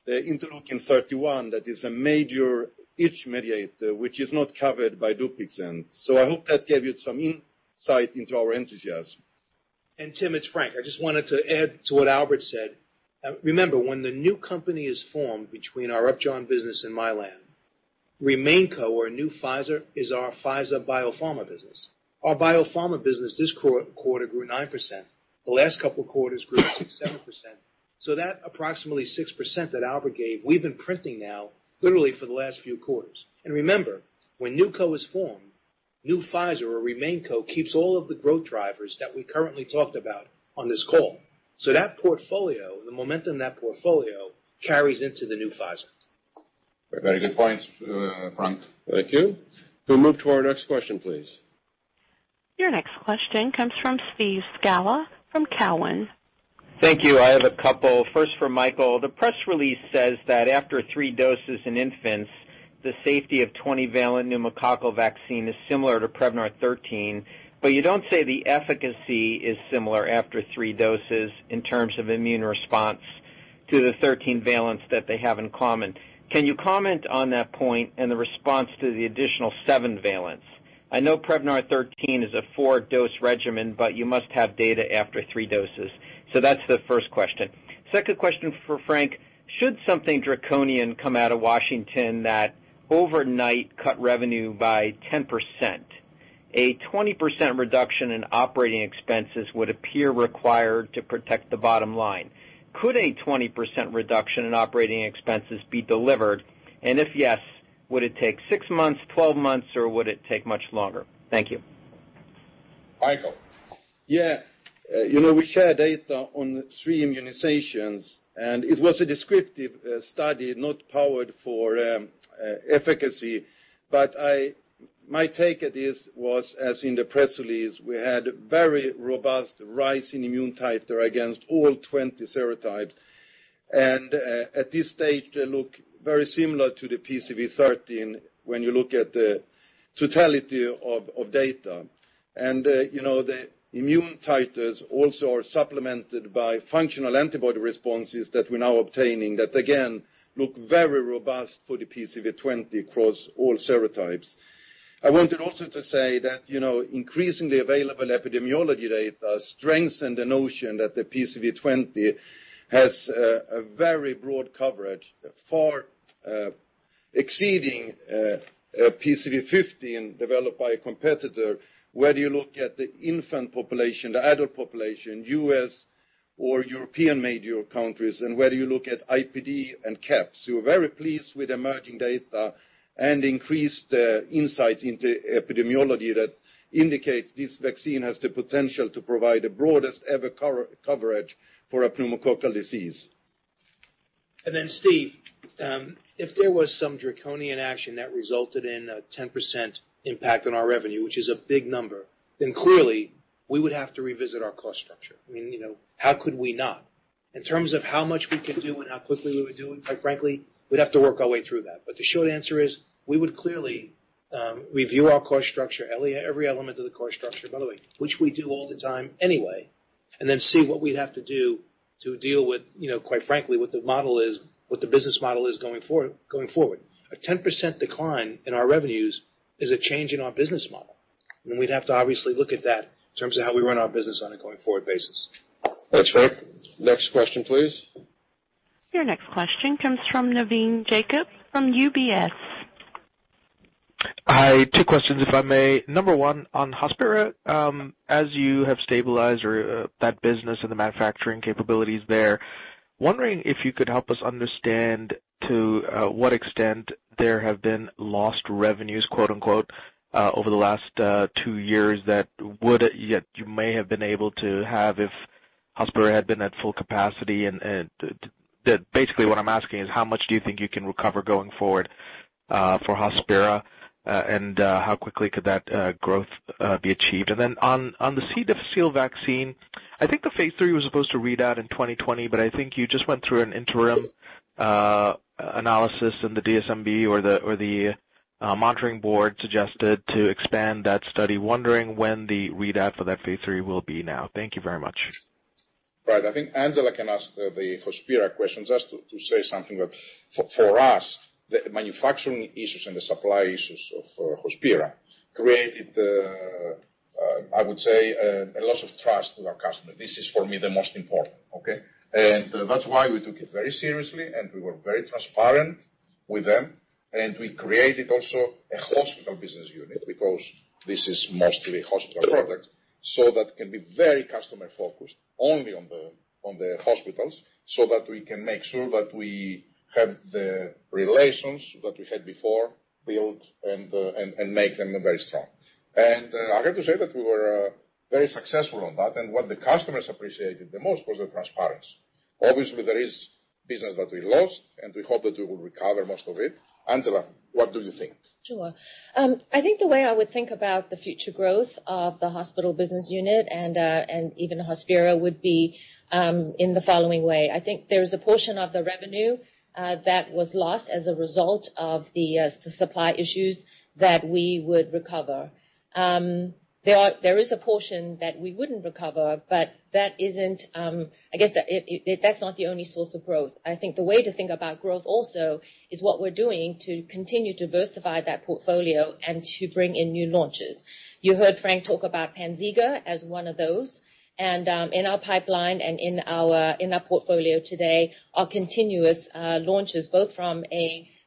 interleukin-31, that is a major itch mediator, which is not covered by DUPIXENT. I hope that gave you some insight into our enthusiasm. Tim, it's Frank. I just wanted to add to what Albert said. Remember, when the new company is formed between our Upjohn business and Mylan, RemainCo, or New Pfizer, is our Pfizer Biopharma business. Our Biopharma business this quarter grew 9%. The last couple of quarters grew 6%, 7%. That approximately 6% that Albert gave, we've been printing now literally for the last few quarters. Remember, when NewCo is formed, New Pfizer or RemainCo keeps all of the growth drivers that we currently talked about on this call. That portfolio, the momentum in that portfolio, carries into the New Pfizer. Very good points, Frank. Thank you. We'll move to our next question, please. Your next question comes from Steve Scala from Cowen. Thank you. I have a couple. First for Mikael, the press release says that after 3 doses in infants, the safety of 20-valent pneumococcal vaccine is similar to Prevnar 13, but you don't say the efficacy is similar after 3 doses in terms of immune response to the 13-valence that they have in common. Can you comment on that point and the response to the additional 7-valence? I know Prevnar 13 is a 4-dose regimen, but you must have data after 3 doses. That's the first question. Second question for Frank, should something draconian come out of Washington that overnight cut revenue by 10%, a 20% reduction in operating expenses would appear required to protect the bottom line. Could a 20% reduction in operating expenses be delivered? If yes, would it take six months, 12 months, or would it take much longer? Thank you. Mikael. Yeah. We share data on three immunizations. It was a descriptive study, not powered for efficacy. My take at this was, as in the press release, we had very robust rise in immune titer against all 20 serotypes. At this stage, they look very similar to the Prevnar 13 when you look at the totality of data. The immune titers also are supplemented by functional antibody responses that we're now obtaining that, again, look very robust for the Prevnar 20 across all serotypes. I wanted also to say that increasingly available epidemiology data strengthen the notion that the Prevnar 20 has a very broad coverage far exceeding PCV 15 developed by a competitor, whether you look at the infant population, the adult population, U.S. or European major countries, whether you look at IPD and CAP. We're very pleased with emerging data and increased insight into epidemiology that indicates this vaccine has the potential to provide the broadest-ever coverage for a pneumococcal disease. Steve, if there was some draconian action that resulted in a 10% impact on our revenue, which is a big number, then clearly we would have to revisit our cost structure. I mean, how could we not? In terms of how much we could do and how quickly we would do it, quite frankly, we'd have to work our way through that. The short answer is, we would clearly review our cost structure, every element of the cost structure, by the way, which we do all the time anyway, and then see what we'd have to do to deal with, quite frankly, what the business model is going forward. A 10% decline in our revenues is a change in our business model. We'd have to obviously look at that in terms of how we run our business on a going-forward basis. Thanks, Frank. Next question, please. Your next question comes from Navin Jacob from UBS. Hi, two questions, if I may. Number one, on Hospira. As you have stabilized that business and the manufacturing capabilities there, wondering if you could help us understand to what extent there have been "lost revenues" over the last two years that you may have been able to have if Hospira had been at full capacity. Basically, what I'm asking is how much do you think you can recover going forward for Hospira, and how quickly could that growth be achieved? On the C. difficile vaccine, I think the phase III was supposed to read out in 2020, but I think you just went through an interim analysis in the DSMB or the monitoring board suggested to expand that study. Wondering when the readout for that phase III will be now. Thank you very much. Right. I think Angela can answer the Hospira questions. Just to say something, that for us, the manufacturing issues and the supply issues of Hospira created, I would say, a loss of trust with our customers. This is for me the most important. Okay? That's why we took it very seriously, and we were very transparent with them. We created also a hospital business unit because this is mostly hospital product. That can be very customer-focused, only on the hospitals, so that we can make sure that we have the relations that we had before built and make them very strong. I have to say that we were very successful on that, and what the customers appreciated the most was the transparency. Obviously, there is business that we lost, and we hope that we will recover most of it. Angela, what do you think? Sure. I think the way I would think about the future growth of the hospital business unit and even Hospira would be in the following way. I think there's a portion of the revenue that was lost as a result of the supply issues that we would recover. There is a portion that we wouldn't recover, but that's not the only source of growth. I think the way to think about growth also is what we're doing to continue to diversify that portfolio and to bring in new launches. You heard Frank talk about PANZYGA as one of those, and in our pipeline and in our portfolio today, our continuous launches, both from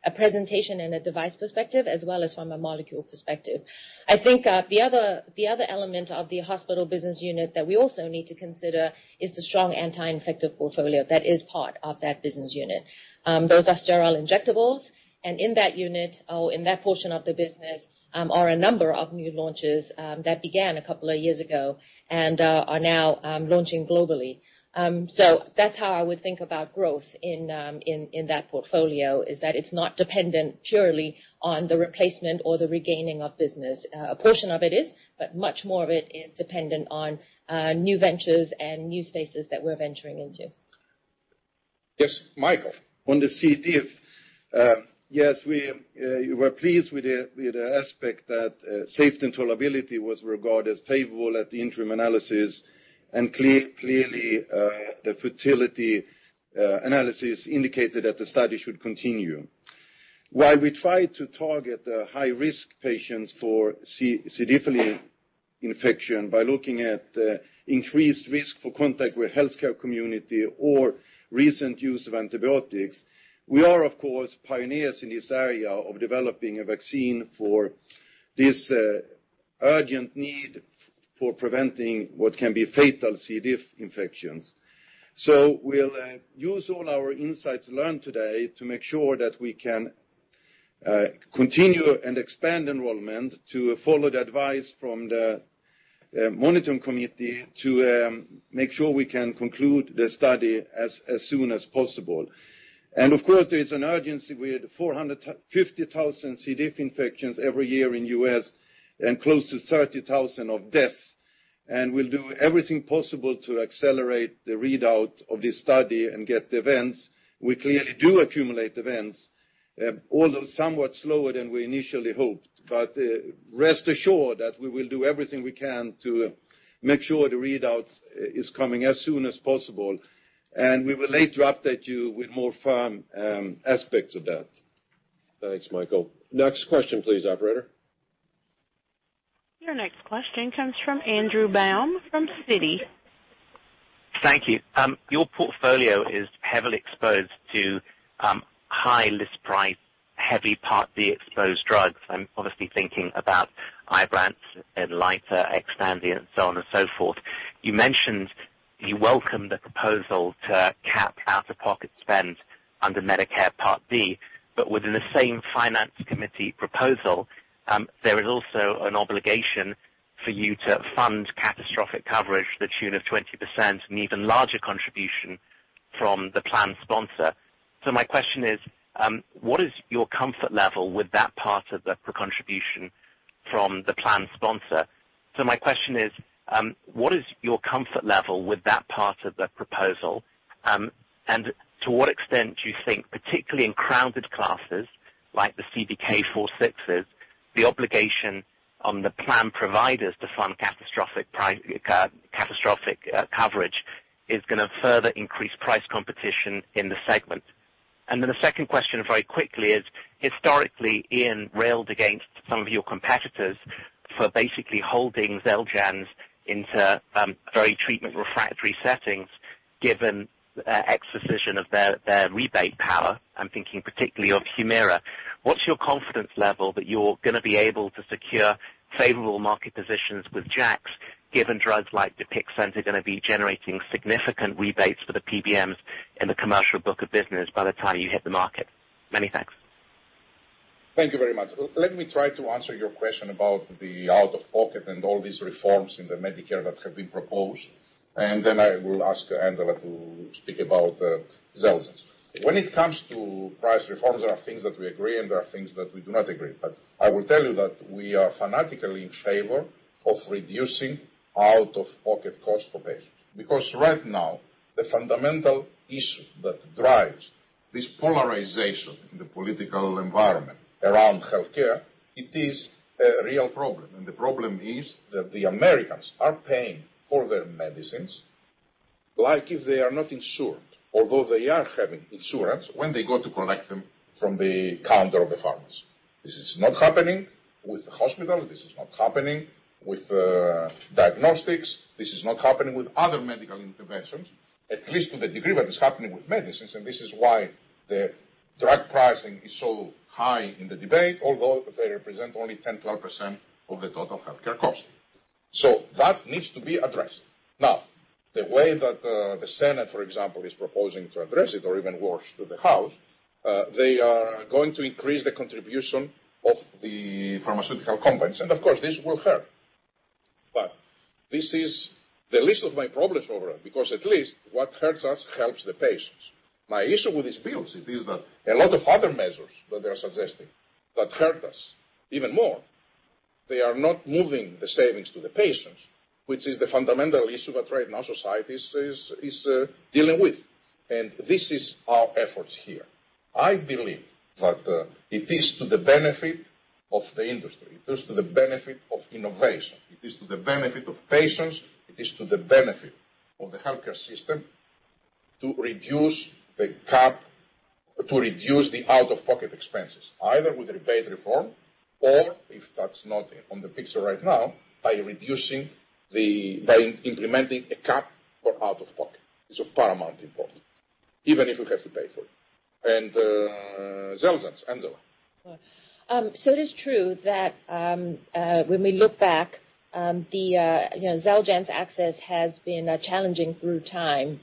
a presentation and a device perspective, as well as from a molecule perspective. I think the other element of the hospital business unit that we also need to consider is the strong anti-infective portfolio that is part of that business unit. Those are sterile injectables, and in that unit or in that portion of the business, are a number of new launches that began a couple of years ago and are now launching globally. That's how I would think about growth in that portfolio, is that it's not dependent purely on the replacement or the regaining of business. A portion of it is, but much more of it is dependent on new ventures and new spaces that we're venturing into. Yes, Mikael. On the C. diff. We were pleased with the aspect that safety and tolerability was regarded as favorable at the interim analysis, and clearly, the futility analysis indicated that the study should continue. While we try to target the high-risk patients for C. difficile infection by looking at increased risk for contact with the healthcare community or recent use of antibiotics, we are, of course, pioneers in this area of developing a vaccine for this urgent need for preventing what can be fatal C. diff infections. We'll use all our insights learned today to make sure that we can continue and expand enrollment to follow the advice from the monitoring committee to make sure we can conclude the study as soon as possible. Of course, there is an urgency with 450,000 C. diff infections every year in the U.S. and close to 30,000 of deaths. We'll do everything possible to accelerate the readout of this study and get the events. We clearly do accumulate events, although somewhat slower than we initially hoped. Rest assured that we will do everything we can to make sure the readout is coming as soon as possible. We will later update you with more firm aspects of that. Thanks, Mikael. Next question, please, operator. Your next question comes from Andrew Baum, from Citi. Thank you. Your portfolio is heavily exposed to high list price, heavy Medicare Part D exposed drugs. I'm obviously thinking about IBRANCE, ELIQUIS, XTANDI, and so on and so forth. You mentioned you welcome the proposal to cap out-of-pocket spend under Medicare Part D. Within the same finance committee proposal, there is also an obligation for you to fund catastrophic coverage to the tune of 20% and even larger contribution from the plan sponsor. My question is, what is your comfort level with that part of the proposal? To what extent do you think, particularly in crowded classes like the CDK 4/6s, the obligation on the plan providers to fund catastrophic coverage is going to further increase price competition in the segment? Historically, Ian railed against some of your competitors for basically holding XELJANZ into very treatment-refractory settings given the disposition of their rebate power. I'm thinking particularly of HUMIRA. What's your confidence level that you're going to be able to secure favorable market positions with JAKs, given drugs like DUPIXENT are going to be generating significant rebates for the PBMs in the commercial book of business by the time you hit the market? Many thanks. Thank you very much. Let me try to answer your question about the out-of-pocket and all these reforms in the Medicare that have been proposed. Then I will ask Angela to speak about Xeljanz. When it comes to price reforms, there are things that we agree and there are things that we do not agree. I will tell you that we are fanatically in favor of reducing out-of-pocket costs for patients. Right now, the fundamental issue that drives this polarization in the political environment around healthcare, it is a real problem. The problem is that the Americans are paying for their medicines like if they are not insured. Although they are having insurance, when they go to collect them from the counter of the pharmacy. This is not happening with the hospital, this is not happening with diagnostics. This is not happening with other medical interventions, at least to the degree that it's happening with medicines. This is why the drug pricing is so high in the debate, although they represent only 10, 12% of the total healthcare cost. That needs to be addressed. The way that the Senate, for example, is proposing to address it, or even worse, to the House, they are going to increase the contribution of the pharmaceutical companies. Of course, this will hurt. This is the least of my problems overall, because at least what hurts us helps the patients. My issue with these bills, it is that a lot of other measures that they're suggesting that hurt us even more, they are not moving the savings to the patients, which is the fundamental issue that right now society is dealing with. This is our efforts here. I believe that it is to the benefit of the industry, it is to the benefit of innovation, it is to the benefit of patients, it is to the benefit of the healthcare system to reduce the out-of-pocket expenses, either with rebate reform or if that's not on the picture right now, by implementing a cap for out-of-pocket. It's of paramount important, even if we have to pay for it. Xeljanz. Angela. It is true that when we look back, the Xeljanz access has been challenging through time.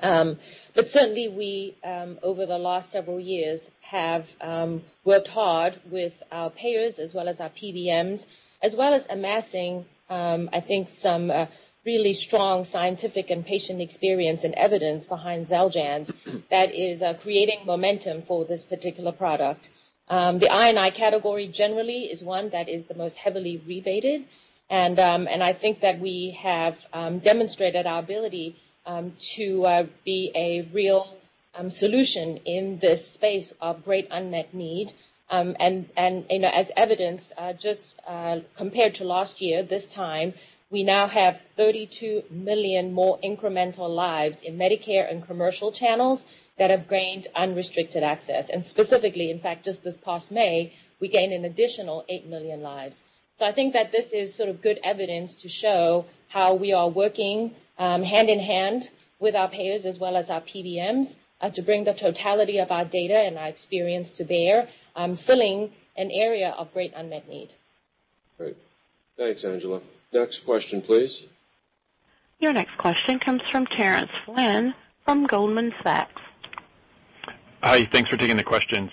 Certainly we, over the last several years, have worked hard with our payers as well as our PBMs, as well as amassing, I think, some really strong scientific and patient experience and evidence behind Xeljanz that is creating momentum for this particular product. The I&I category generally is one that is the most heavily rebated, and I think that we have demonstrated our ability to be a real solution in this space of great unmet need. As evidence, just compared to last year, this time, we now have 32 million more incremental lives in Medicare and commercial channels that have gained unrestricted access. Specifically, in fact, just this past May, we gained an additional 8 million lives. I think that this is sort of good evidence to show how we are working hand in hand with our payers as well as our PBMs to bring the totality of our data and our experience to bear, filling an area of great unmet need. Great. Thanks, Angela. Next question, please. Your next question comes from Terence Flynn from Goldman Sachs. Hi, thanks for taking the questions.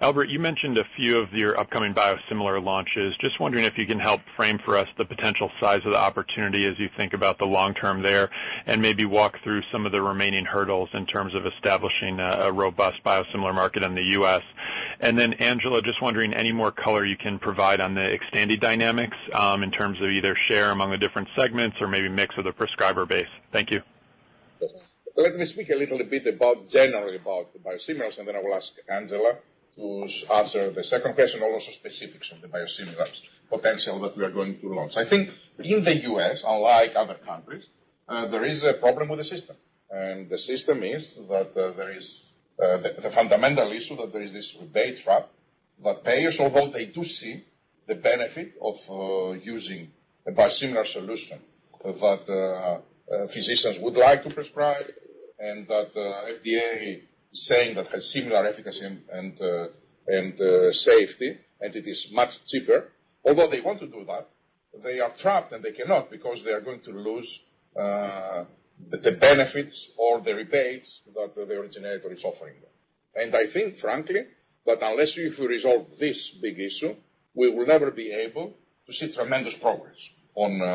Albert, you mentioned a few of your upcoming biosimilar launches. Wondering if you can help frame for us the potential size of the opportunity as you think about the long term there, and maybe walk through some of the remaining hurdles in terms of establishing a robust biosimilar market in the U.S. Angela, just wondering, any more color you can provide on the XTANDI dynamics in terms of either share among the different segments or maybe mix of the prescriber base. Thank you. Let me speak a little bit generally about the biosimilars, and then I will ask Angela to answer the second question, also specifics of the biosimilars potential that we are going to launch. I think in the U.S., unlike other countries, there is a problem with the system. The system is that there is the fundamental issue, that there is this rebate trap that payers, although they do see the benefit of using a biosimilar solution, that physicians would like to prescribe, and that FDA saying that has similar efficacy and safety, and it is much cheaper. Although they want to do that, they are trapped, and they cannot because they are going to lose the benefits or the rebates that the originator is offering them. I think, frankly, that unless you resolve this big issue, we will never be able to see tremendous progress on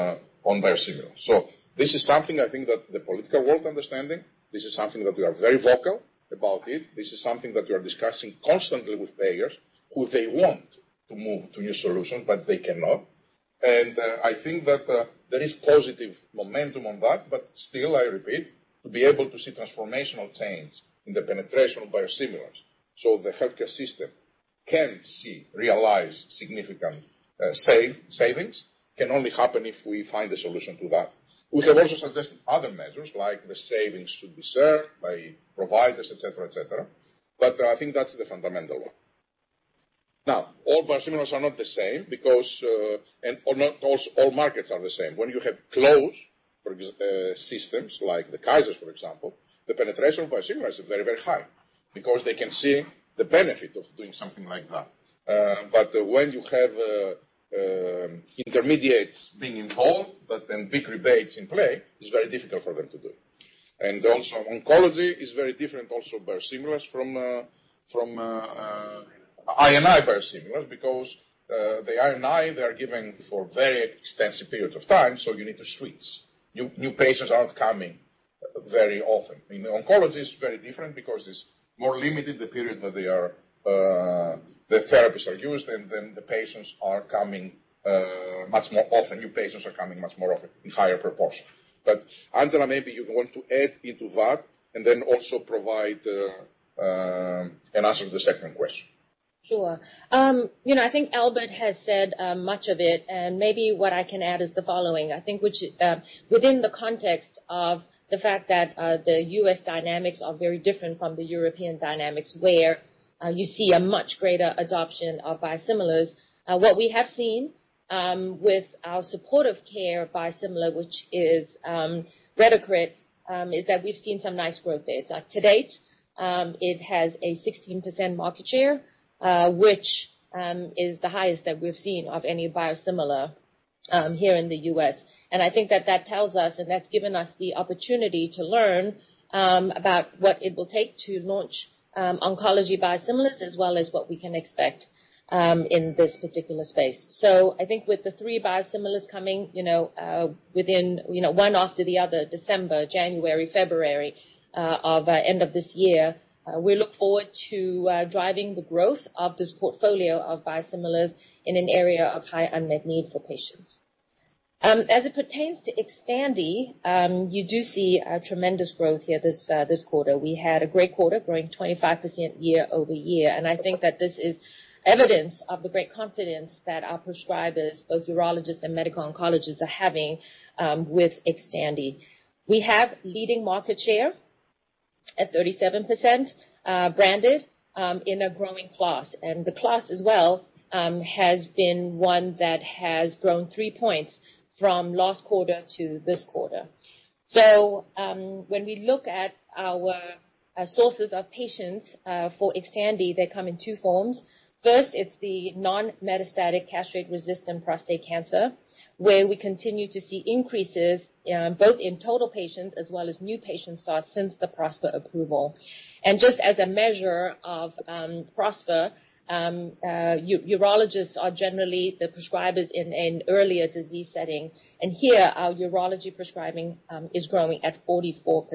biosimilars. This is something I think that the political world understanding, this is something that we are very vocal about it. This is something that we are discussing constantly with payers, who they want to move to new solutions, but they cannot. I think that there is positive momentum on that. Still, I repeat, to be able to see transformational change in the penetration of biosimilars so the healthcare system can see realized significant savings can only happen if we find a solution to that. We have also suggested other measures, like the savings should be shared by providers, et cetera. I think that's the fundamental one. All biosimilars are not the same because or not all markets are the same. When you have closed systems like the Kaiser, for example, the penetration of biosimilars is very high because they can see the benefit of doing something like that. When you have intermediates being involved, but then big rebates in play, it is very difficult for them to do. Also oncology is very different also biosimilars from I&I biosimilars because the I&I, they are given for very extensive period of time, so you need to switch. New patients aren't coming very often. In oncology, it is very different because it is more limited the period that the therapies are used, and then the patients are coming much more often. New patients are coming much more often in higher proportion. Angela, maybe you want to add into that and then also provide and answer the second question. Sure. I think Albert has said much of it. Maybe what I can add is the following, I think within the context of the fact that the U.S. dynamics are very different from the European dynamics, where you see a much greater adoption of biosimilars. What we have seen with our supportive care biosimilar, which is Retacrit, is that we've seen some nice growth there. To date, it has a 16% market share, which is the highest that we've seen of any biosimilar here in the U.S. I think that tells us, and that's given us the opportunity to learn about what it will take to launch oncology biosimilars, as well as what we can expect in this particular space. I think with the three biosimilars coming within one after the other, December, January, February, of end of this year, we look forward to driving the growth of this portfolio of biosimilars in an area of high unmet need for patients. As it pertains to XTANDI, you do see a tremendous growth here this quarter. We had a great quarter, growing 25% year-over-year. I think that this is evidence of the great confidence that our prescribers, both urologists and medical oncologists, are having with XTANDI. We have leading market share at 37%, branded, in a growing class. The class as well, has been one that has grown three points from last quarter to this quarter. When we look at our sources of patients for XTANDI, they come in two forms. It's the non-metastatic castration-resistant prostate cancer, where we continue to see increases both in total patients as well as new patient starts since the PROSPER approval. Just as a measure of PROSPER, urologists are generally the prescribers in earlier disease setting. Here, our urology prescribing is growing at 44%.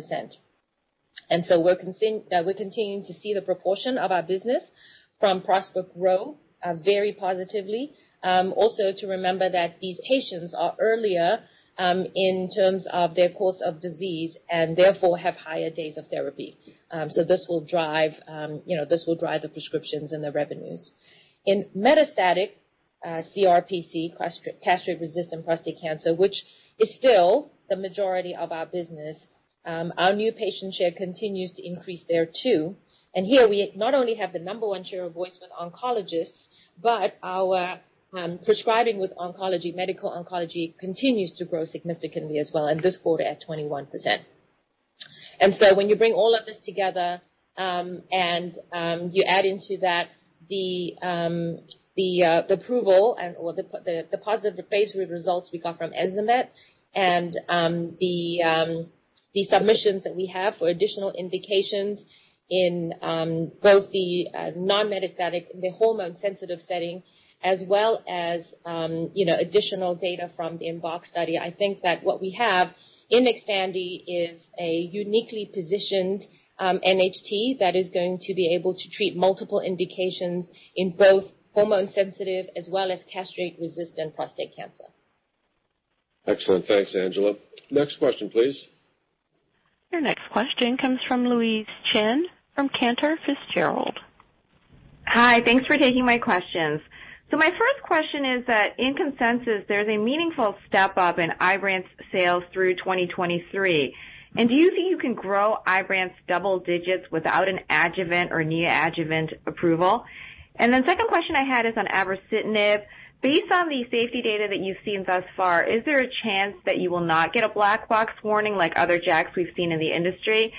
We're continuing to see the proportion of our business from PROSPER grow very positively. Also to remember that these patients are earlier in terms of their course of disease and therefore have higher days of therapy. This will drive the prescriptions and the revenues. In metastatic CRPC, castration-resistant prostate cancer, which is still the majority of our business, our new patient share continues to increase there too. Here we not only have the number one share of voice with oncologists, but our prescribing with medical oncology continues to grow significantly as well in this quarter at 21%. When you bring all of this together, and you add into that the approval and the positive phase III results we got from enzalutamide and the submissions that we have for additional indications in both the non-metastatic, the hormone-sensitive setting, as well as additional data from the ARCHES study. I think that what we have in XTANDI is a uniquely positioned NHT that is going to be able to treat multiple indications in both hormone-sensitive as well as castrate-resistant prostate cancer. Excellent. Thanks, Angela. Next question, please. Your next question comes from Louise Chen of Cantor Fitzgerald. Hi. Thanks for taking my questions. My first question is that in consensus, there's a meaningful step up in Ibrance sales through 2023. Do you think you can grow Ibrance double digits without an adjuvant or neoadjuvant approval? Second question I had is on abrocitinib. Based on the safety data that you've seen thus far, is there a chance that you will not get a black box warning like other JAKs we've seen in the industry?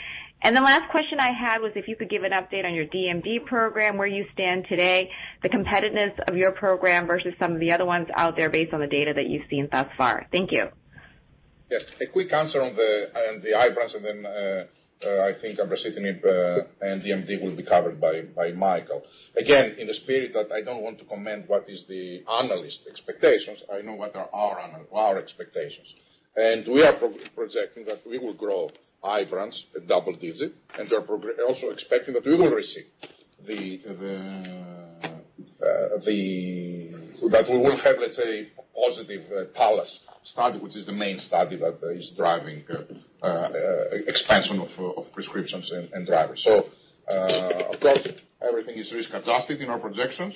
The last question I had was if you could give an update on your DMD program, where you stand today, the competitiveness of your program versus some of the other ones out there based on the data that you've seen thus far. Thank you. Yes. A quick answer on the Ibrance and then I think abrocitinib and DMD will be covered by Mikael. Again, in the spirit that I don't want to comment what is the analyst expectations. I know what are our expectations. We are projecting that we will grow Ibrance at double-digit, and we're also expecting that we will have, let's say, positive PALLAS study, which is the main study that is driving expansion of prescriptions and drivers. Everything is risk-adjusted in our projections,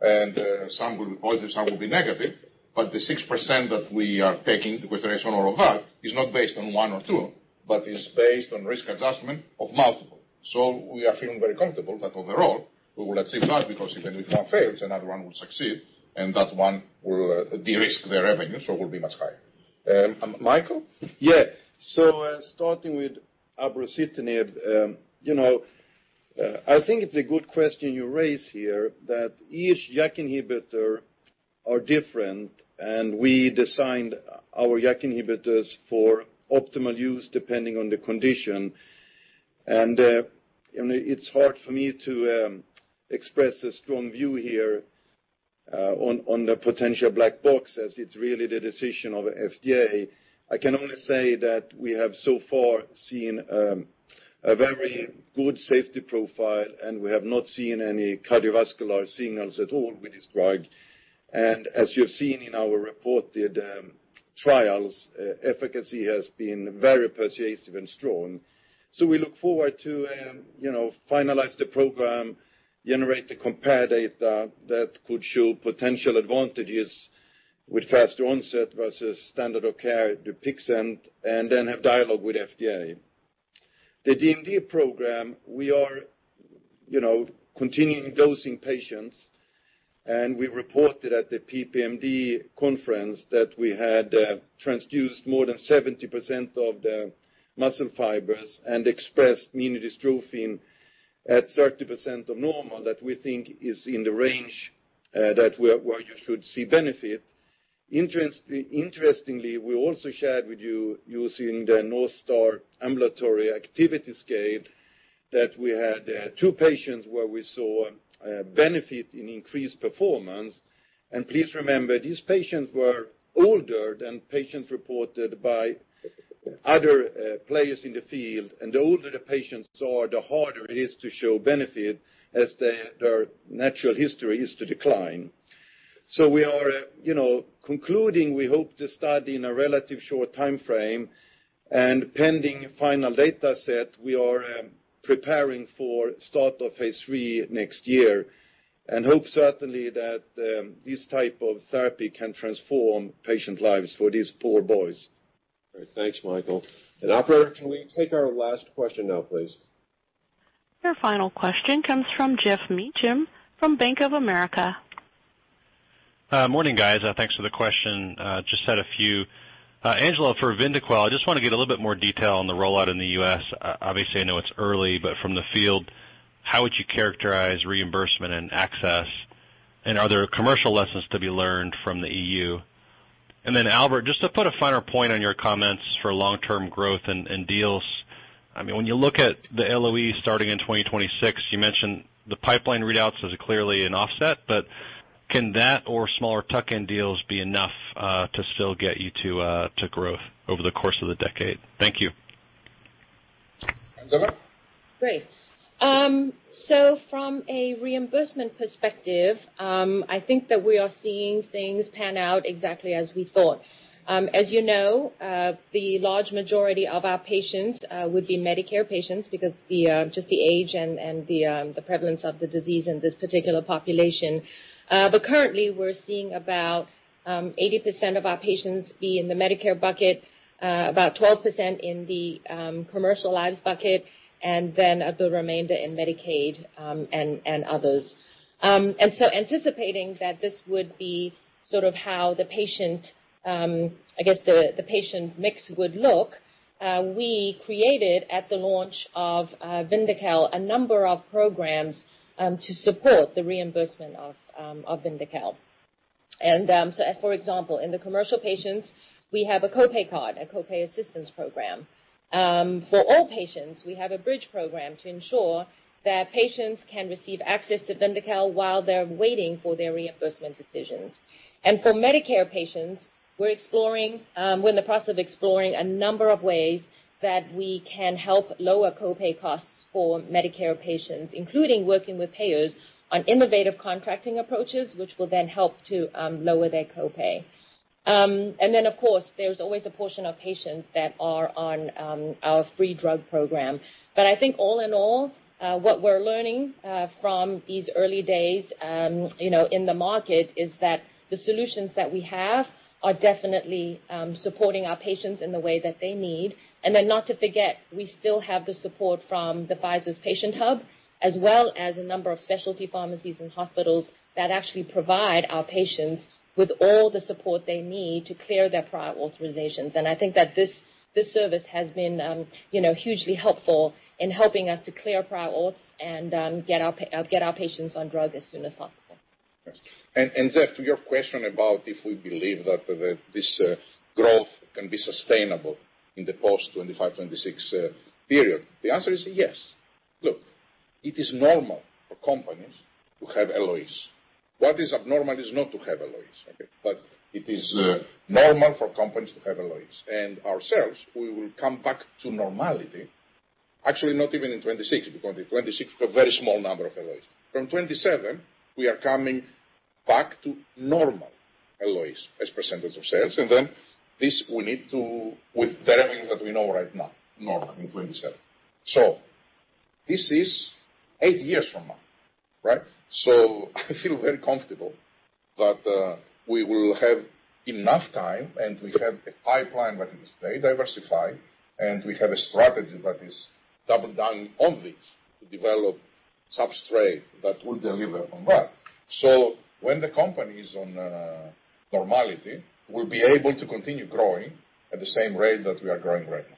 and some will be positive, some will be negative, but the 6% that we are taking with rational regard is not based on one or two, but is based on risk adjustment of multiple. We are feeling very comfortable that overall we will achieve that because even if one fails, another one will succeed and that one will de-risk the revenue, so it will be much higher. Mikael? Starting with abrocitinib. I think it's a good question you raise here that each JAK inhibitor are different, and we designed our JAK inhibitors for optimal use depending on the condition. It's hard for me to express a strong view here on the potential black box, as it's really the decision of FDA. I can only say that we have so far seen a very good safety profile, and we have not seen any cardiovascular signals at all with this drug. As you have seen in our reported trials, efficacy has been very persuasive and strong. We look forward to finalize the program, generate the compare data that could show potential advantages with faster onset versus standard of care DUPIXENT, and then have dialogue with FDA. The DMD program, we are continuing dosing patients. We reported at the PPMD conference that we had transduced more than 70% of the muscle fibers and expressed minidystrophin at 30% of normal that we think is in the range that where you should see benefit. Interestingly, we also shared with you, using the North Star Ambulatory Assessment, that we had two patients where we saw a benefit in increased performance. Please remember, these patients were older than patients reported by other players in the field. The older the patients are, the harder it is to show benefit as their natural history is to decline. We are concluding, we hope to study in a relative short time frame, and pending final data set, we are preparing for start of phase III next year and hope certainly that this type of therapy can transform patient lives for these poor boys. All right. Thanks, Mikael. Operator, can we take our last question now, please? Your final question comes from Geoff Meacham from Bank of America. Morning, guys. Thanks for the question. Just had a few. Angela, for VYNDAQEL, I just want to get a little bit more detail on the rollout in the U.S. Obviously, I know it's early, but from the field, how would you characterize reimbursement and access, and are there commercial lessons to be learned from the EU? Albert, just to put a finer point on your comments for long-term growth and deals, when you look at the LOE starting in 2026, you mentioned the pipeline readouts as clearly an offset, but can that or smaller tuck-in deals be enough to still get you to growth over the course of the decade? Thank you. Angela? Great. From a reimbursement perspective, I think that we are seeing things pan out exactly as we thought. As you know, the large majority of our patients would be Medicare patients because just the age and the prevalence of the disease in this particular population. Currently, we're seeing about 80% of our patients be in the Medicare bucket, about 12% in the commercial lives bucket, and then the remainder in Medicaid and others. Anticipating that this would be sort of how the patient mix would look, we created at the launch of VYNDAQEL a number of programs to support the reimbursement of VYNDAQEL. For example, in the commercial patients, we have a co-pay card, a co-pay assistance program. For all patients, we have a bridge program to ensure that patients can receive access to VYNDAQEL while they're waiting for their reimbursement decisions. For Medicare patients, we're in the process of exploring a number of ways that we can help lower co-pay costs for Medicare patients, including working with payers on innovative contracting approaches, which will then help to lower their co-pay. Of course, there's always a portion of patients that are on our free drug program. I think all in all, what we're learning from these early days in the market is that the solutions that we have are definitely supporting our patients in the way that they need. Not to forget, we still have the support from the Pfizer's patient hub, as well as a number of specialty pharmacies and hospitals that actually provide our patients with all the support they need to clear their prior authorizations. I think that this service has been hugely helpful in helping us to clear prior auths and get our patients on drug as soon as possible. Geoff, to your question about if we believe that this growth can be sustainable in the post 2025, 2026 period, the answer is yes. Look, it is normal for companies to have LOEs. What is abnormal is not to have LOEs, okay? It is normal for companies to have LOEs. Ourselves, we will come back to normality, actually not even in 2026, because in 2026, we have very small number of LOEs. From 2027, we are coming back to normal LOEs as percentage of sales. Then this we need to, with the earnings that we know right now, normal in 2027. This is eight years from now. I feel very comfortable that we will have enough time, and we have a pipeline that is very diversified, and we have a strategy that is double down on this to develop substrate that will deliver on that. When the company is on normality, we'll be able to continue growing at the same rate that we are growing right now.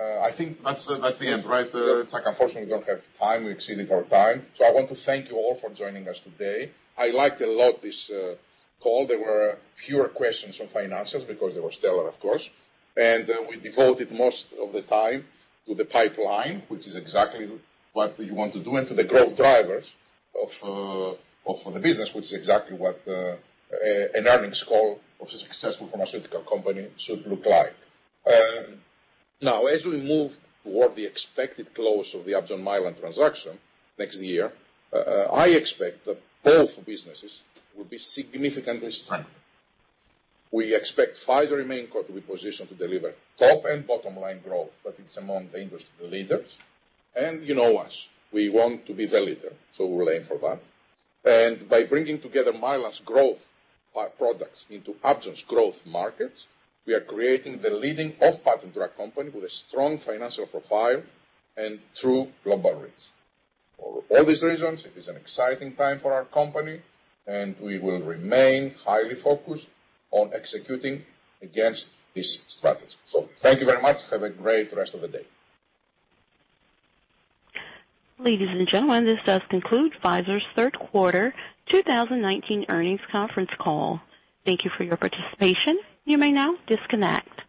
I think that's the end, right? Yes. Unfortunately, we don't have time. We exceeded our time. I want to thank you all for joining us today. I liked a lot this call. There were fewer questions on financials because they were stellar, of course. There were fewer questions on financials because they were stellar, of course. We devoted most of the time to the pipeline, which is exactly what you want to do, and to the growth drivers of the business, which is exactly what an earnings call of a successful pharmaceutical company should look like. As we move toward the expected close of the Upjohn-Mylan transaction next year, I expect that both businesses will be significantly strengthened. We expect Pfizer Main Co to be positioned to deliver top and bottom-line growth that is among the industry leaders. You know us, we want to be the leader, so we will aim for that. By bringing together Mylan's growth products into Upjohn's growth markets, we are creating the leading off-patent drug company with a strong financial profile and true global reach. For all these reasons, it is an exciting time for our company, and we will remain highly focused on executing against this strategy. Thank you very much. Have a great rest of the day. Ladies and gentlemen, this does conclude Pfizer's third quarter 2019 earnings conference call. Thank you for your participation. You may now disconnect.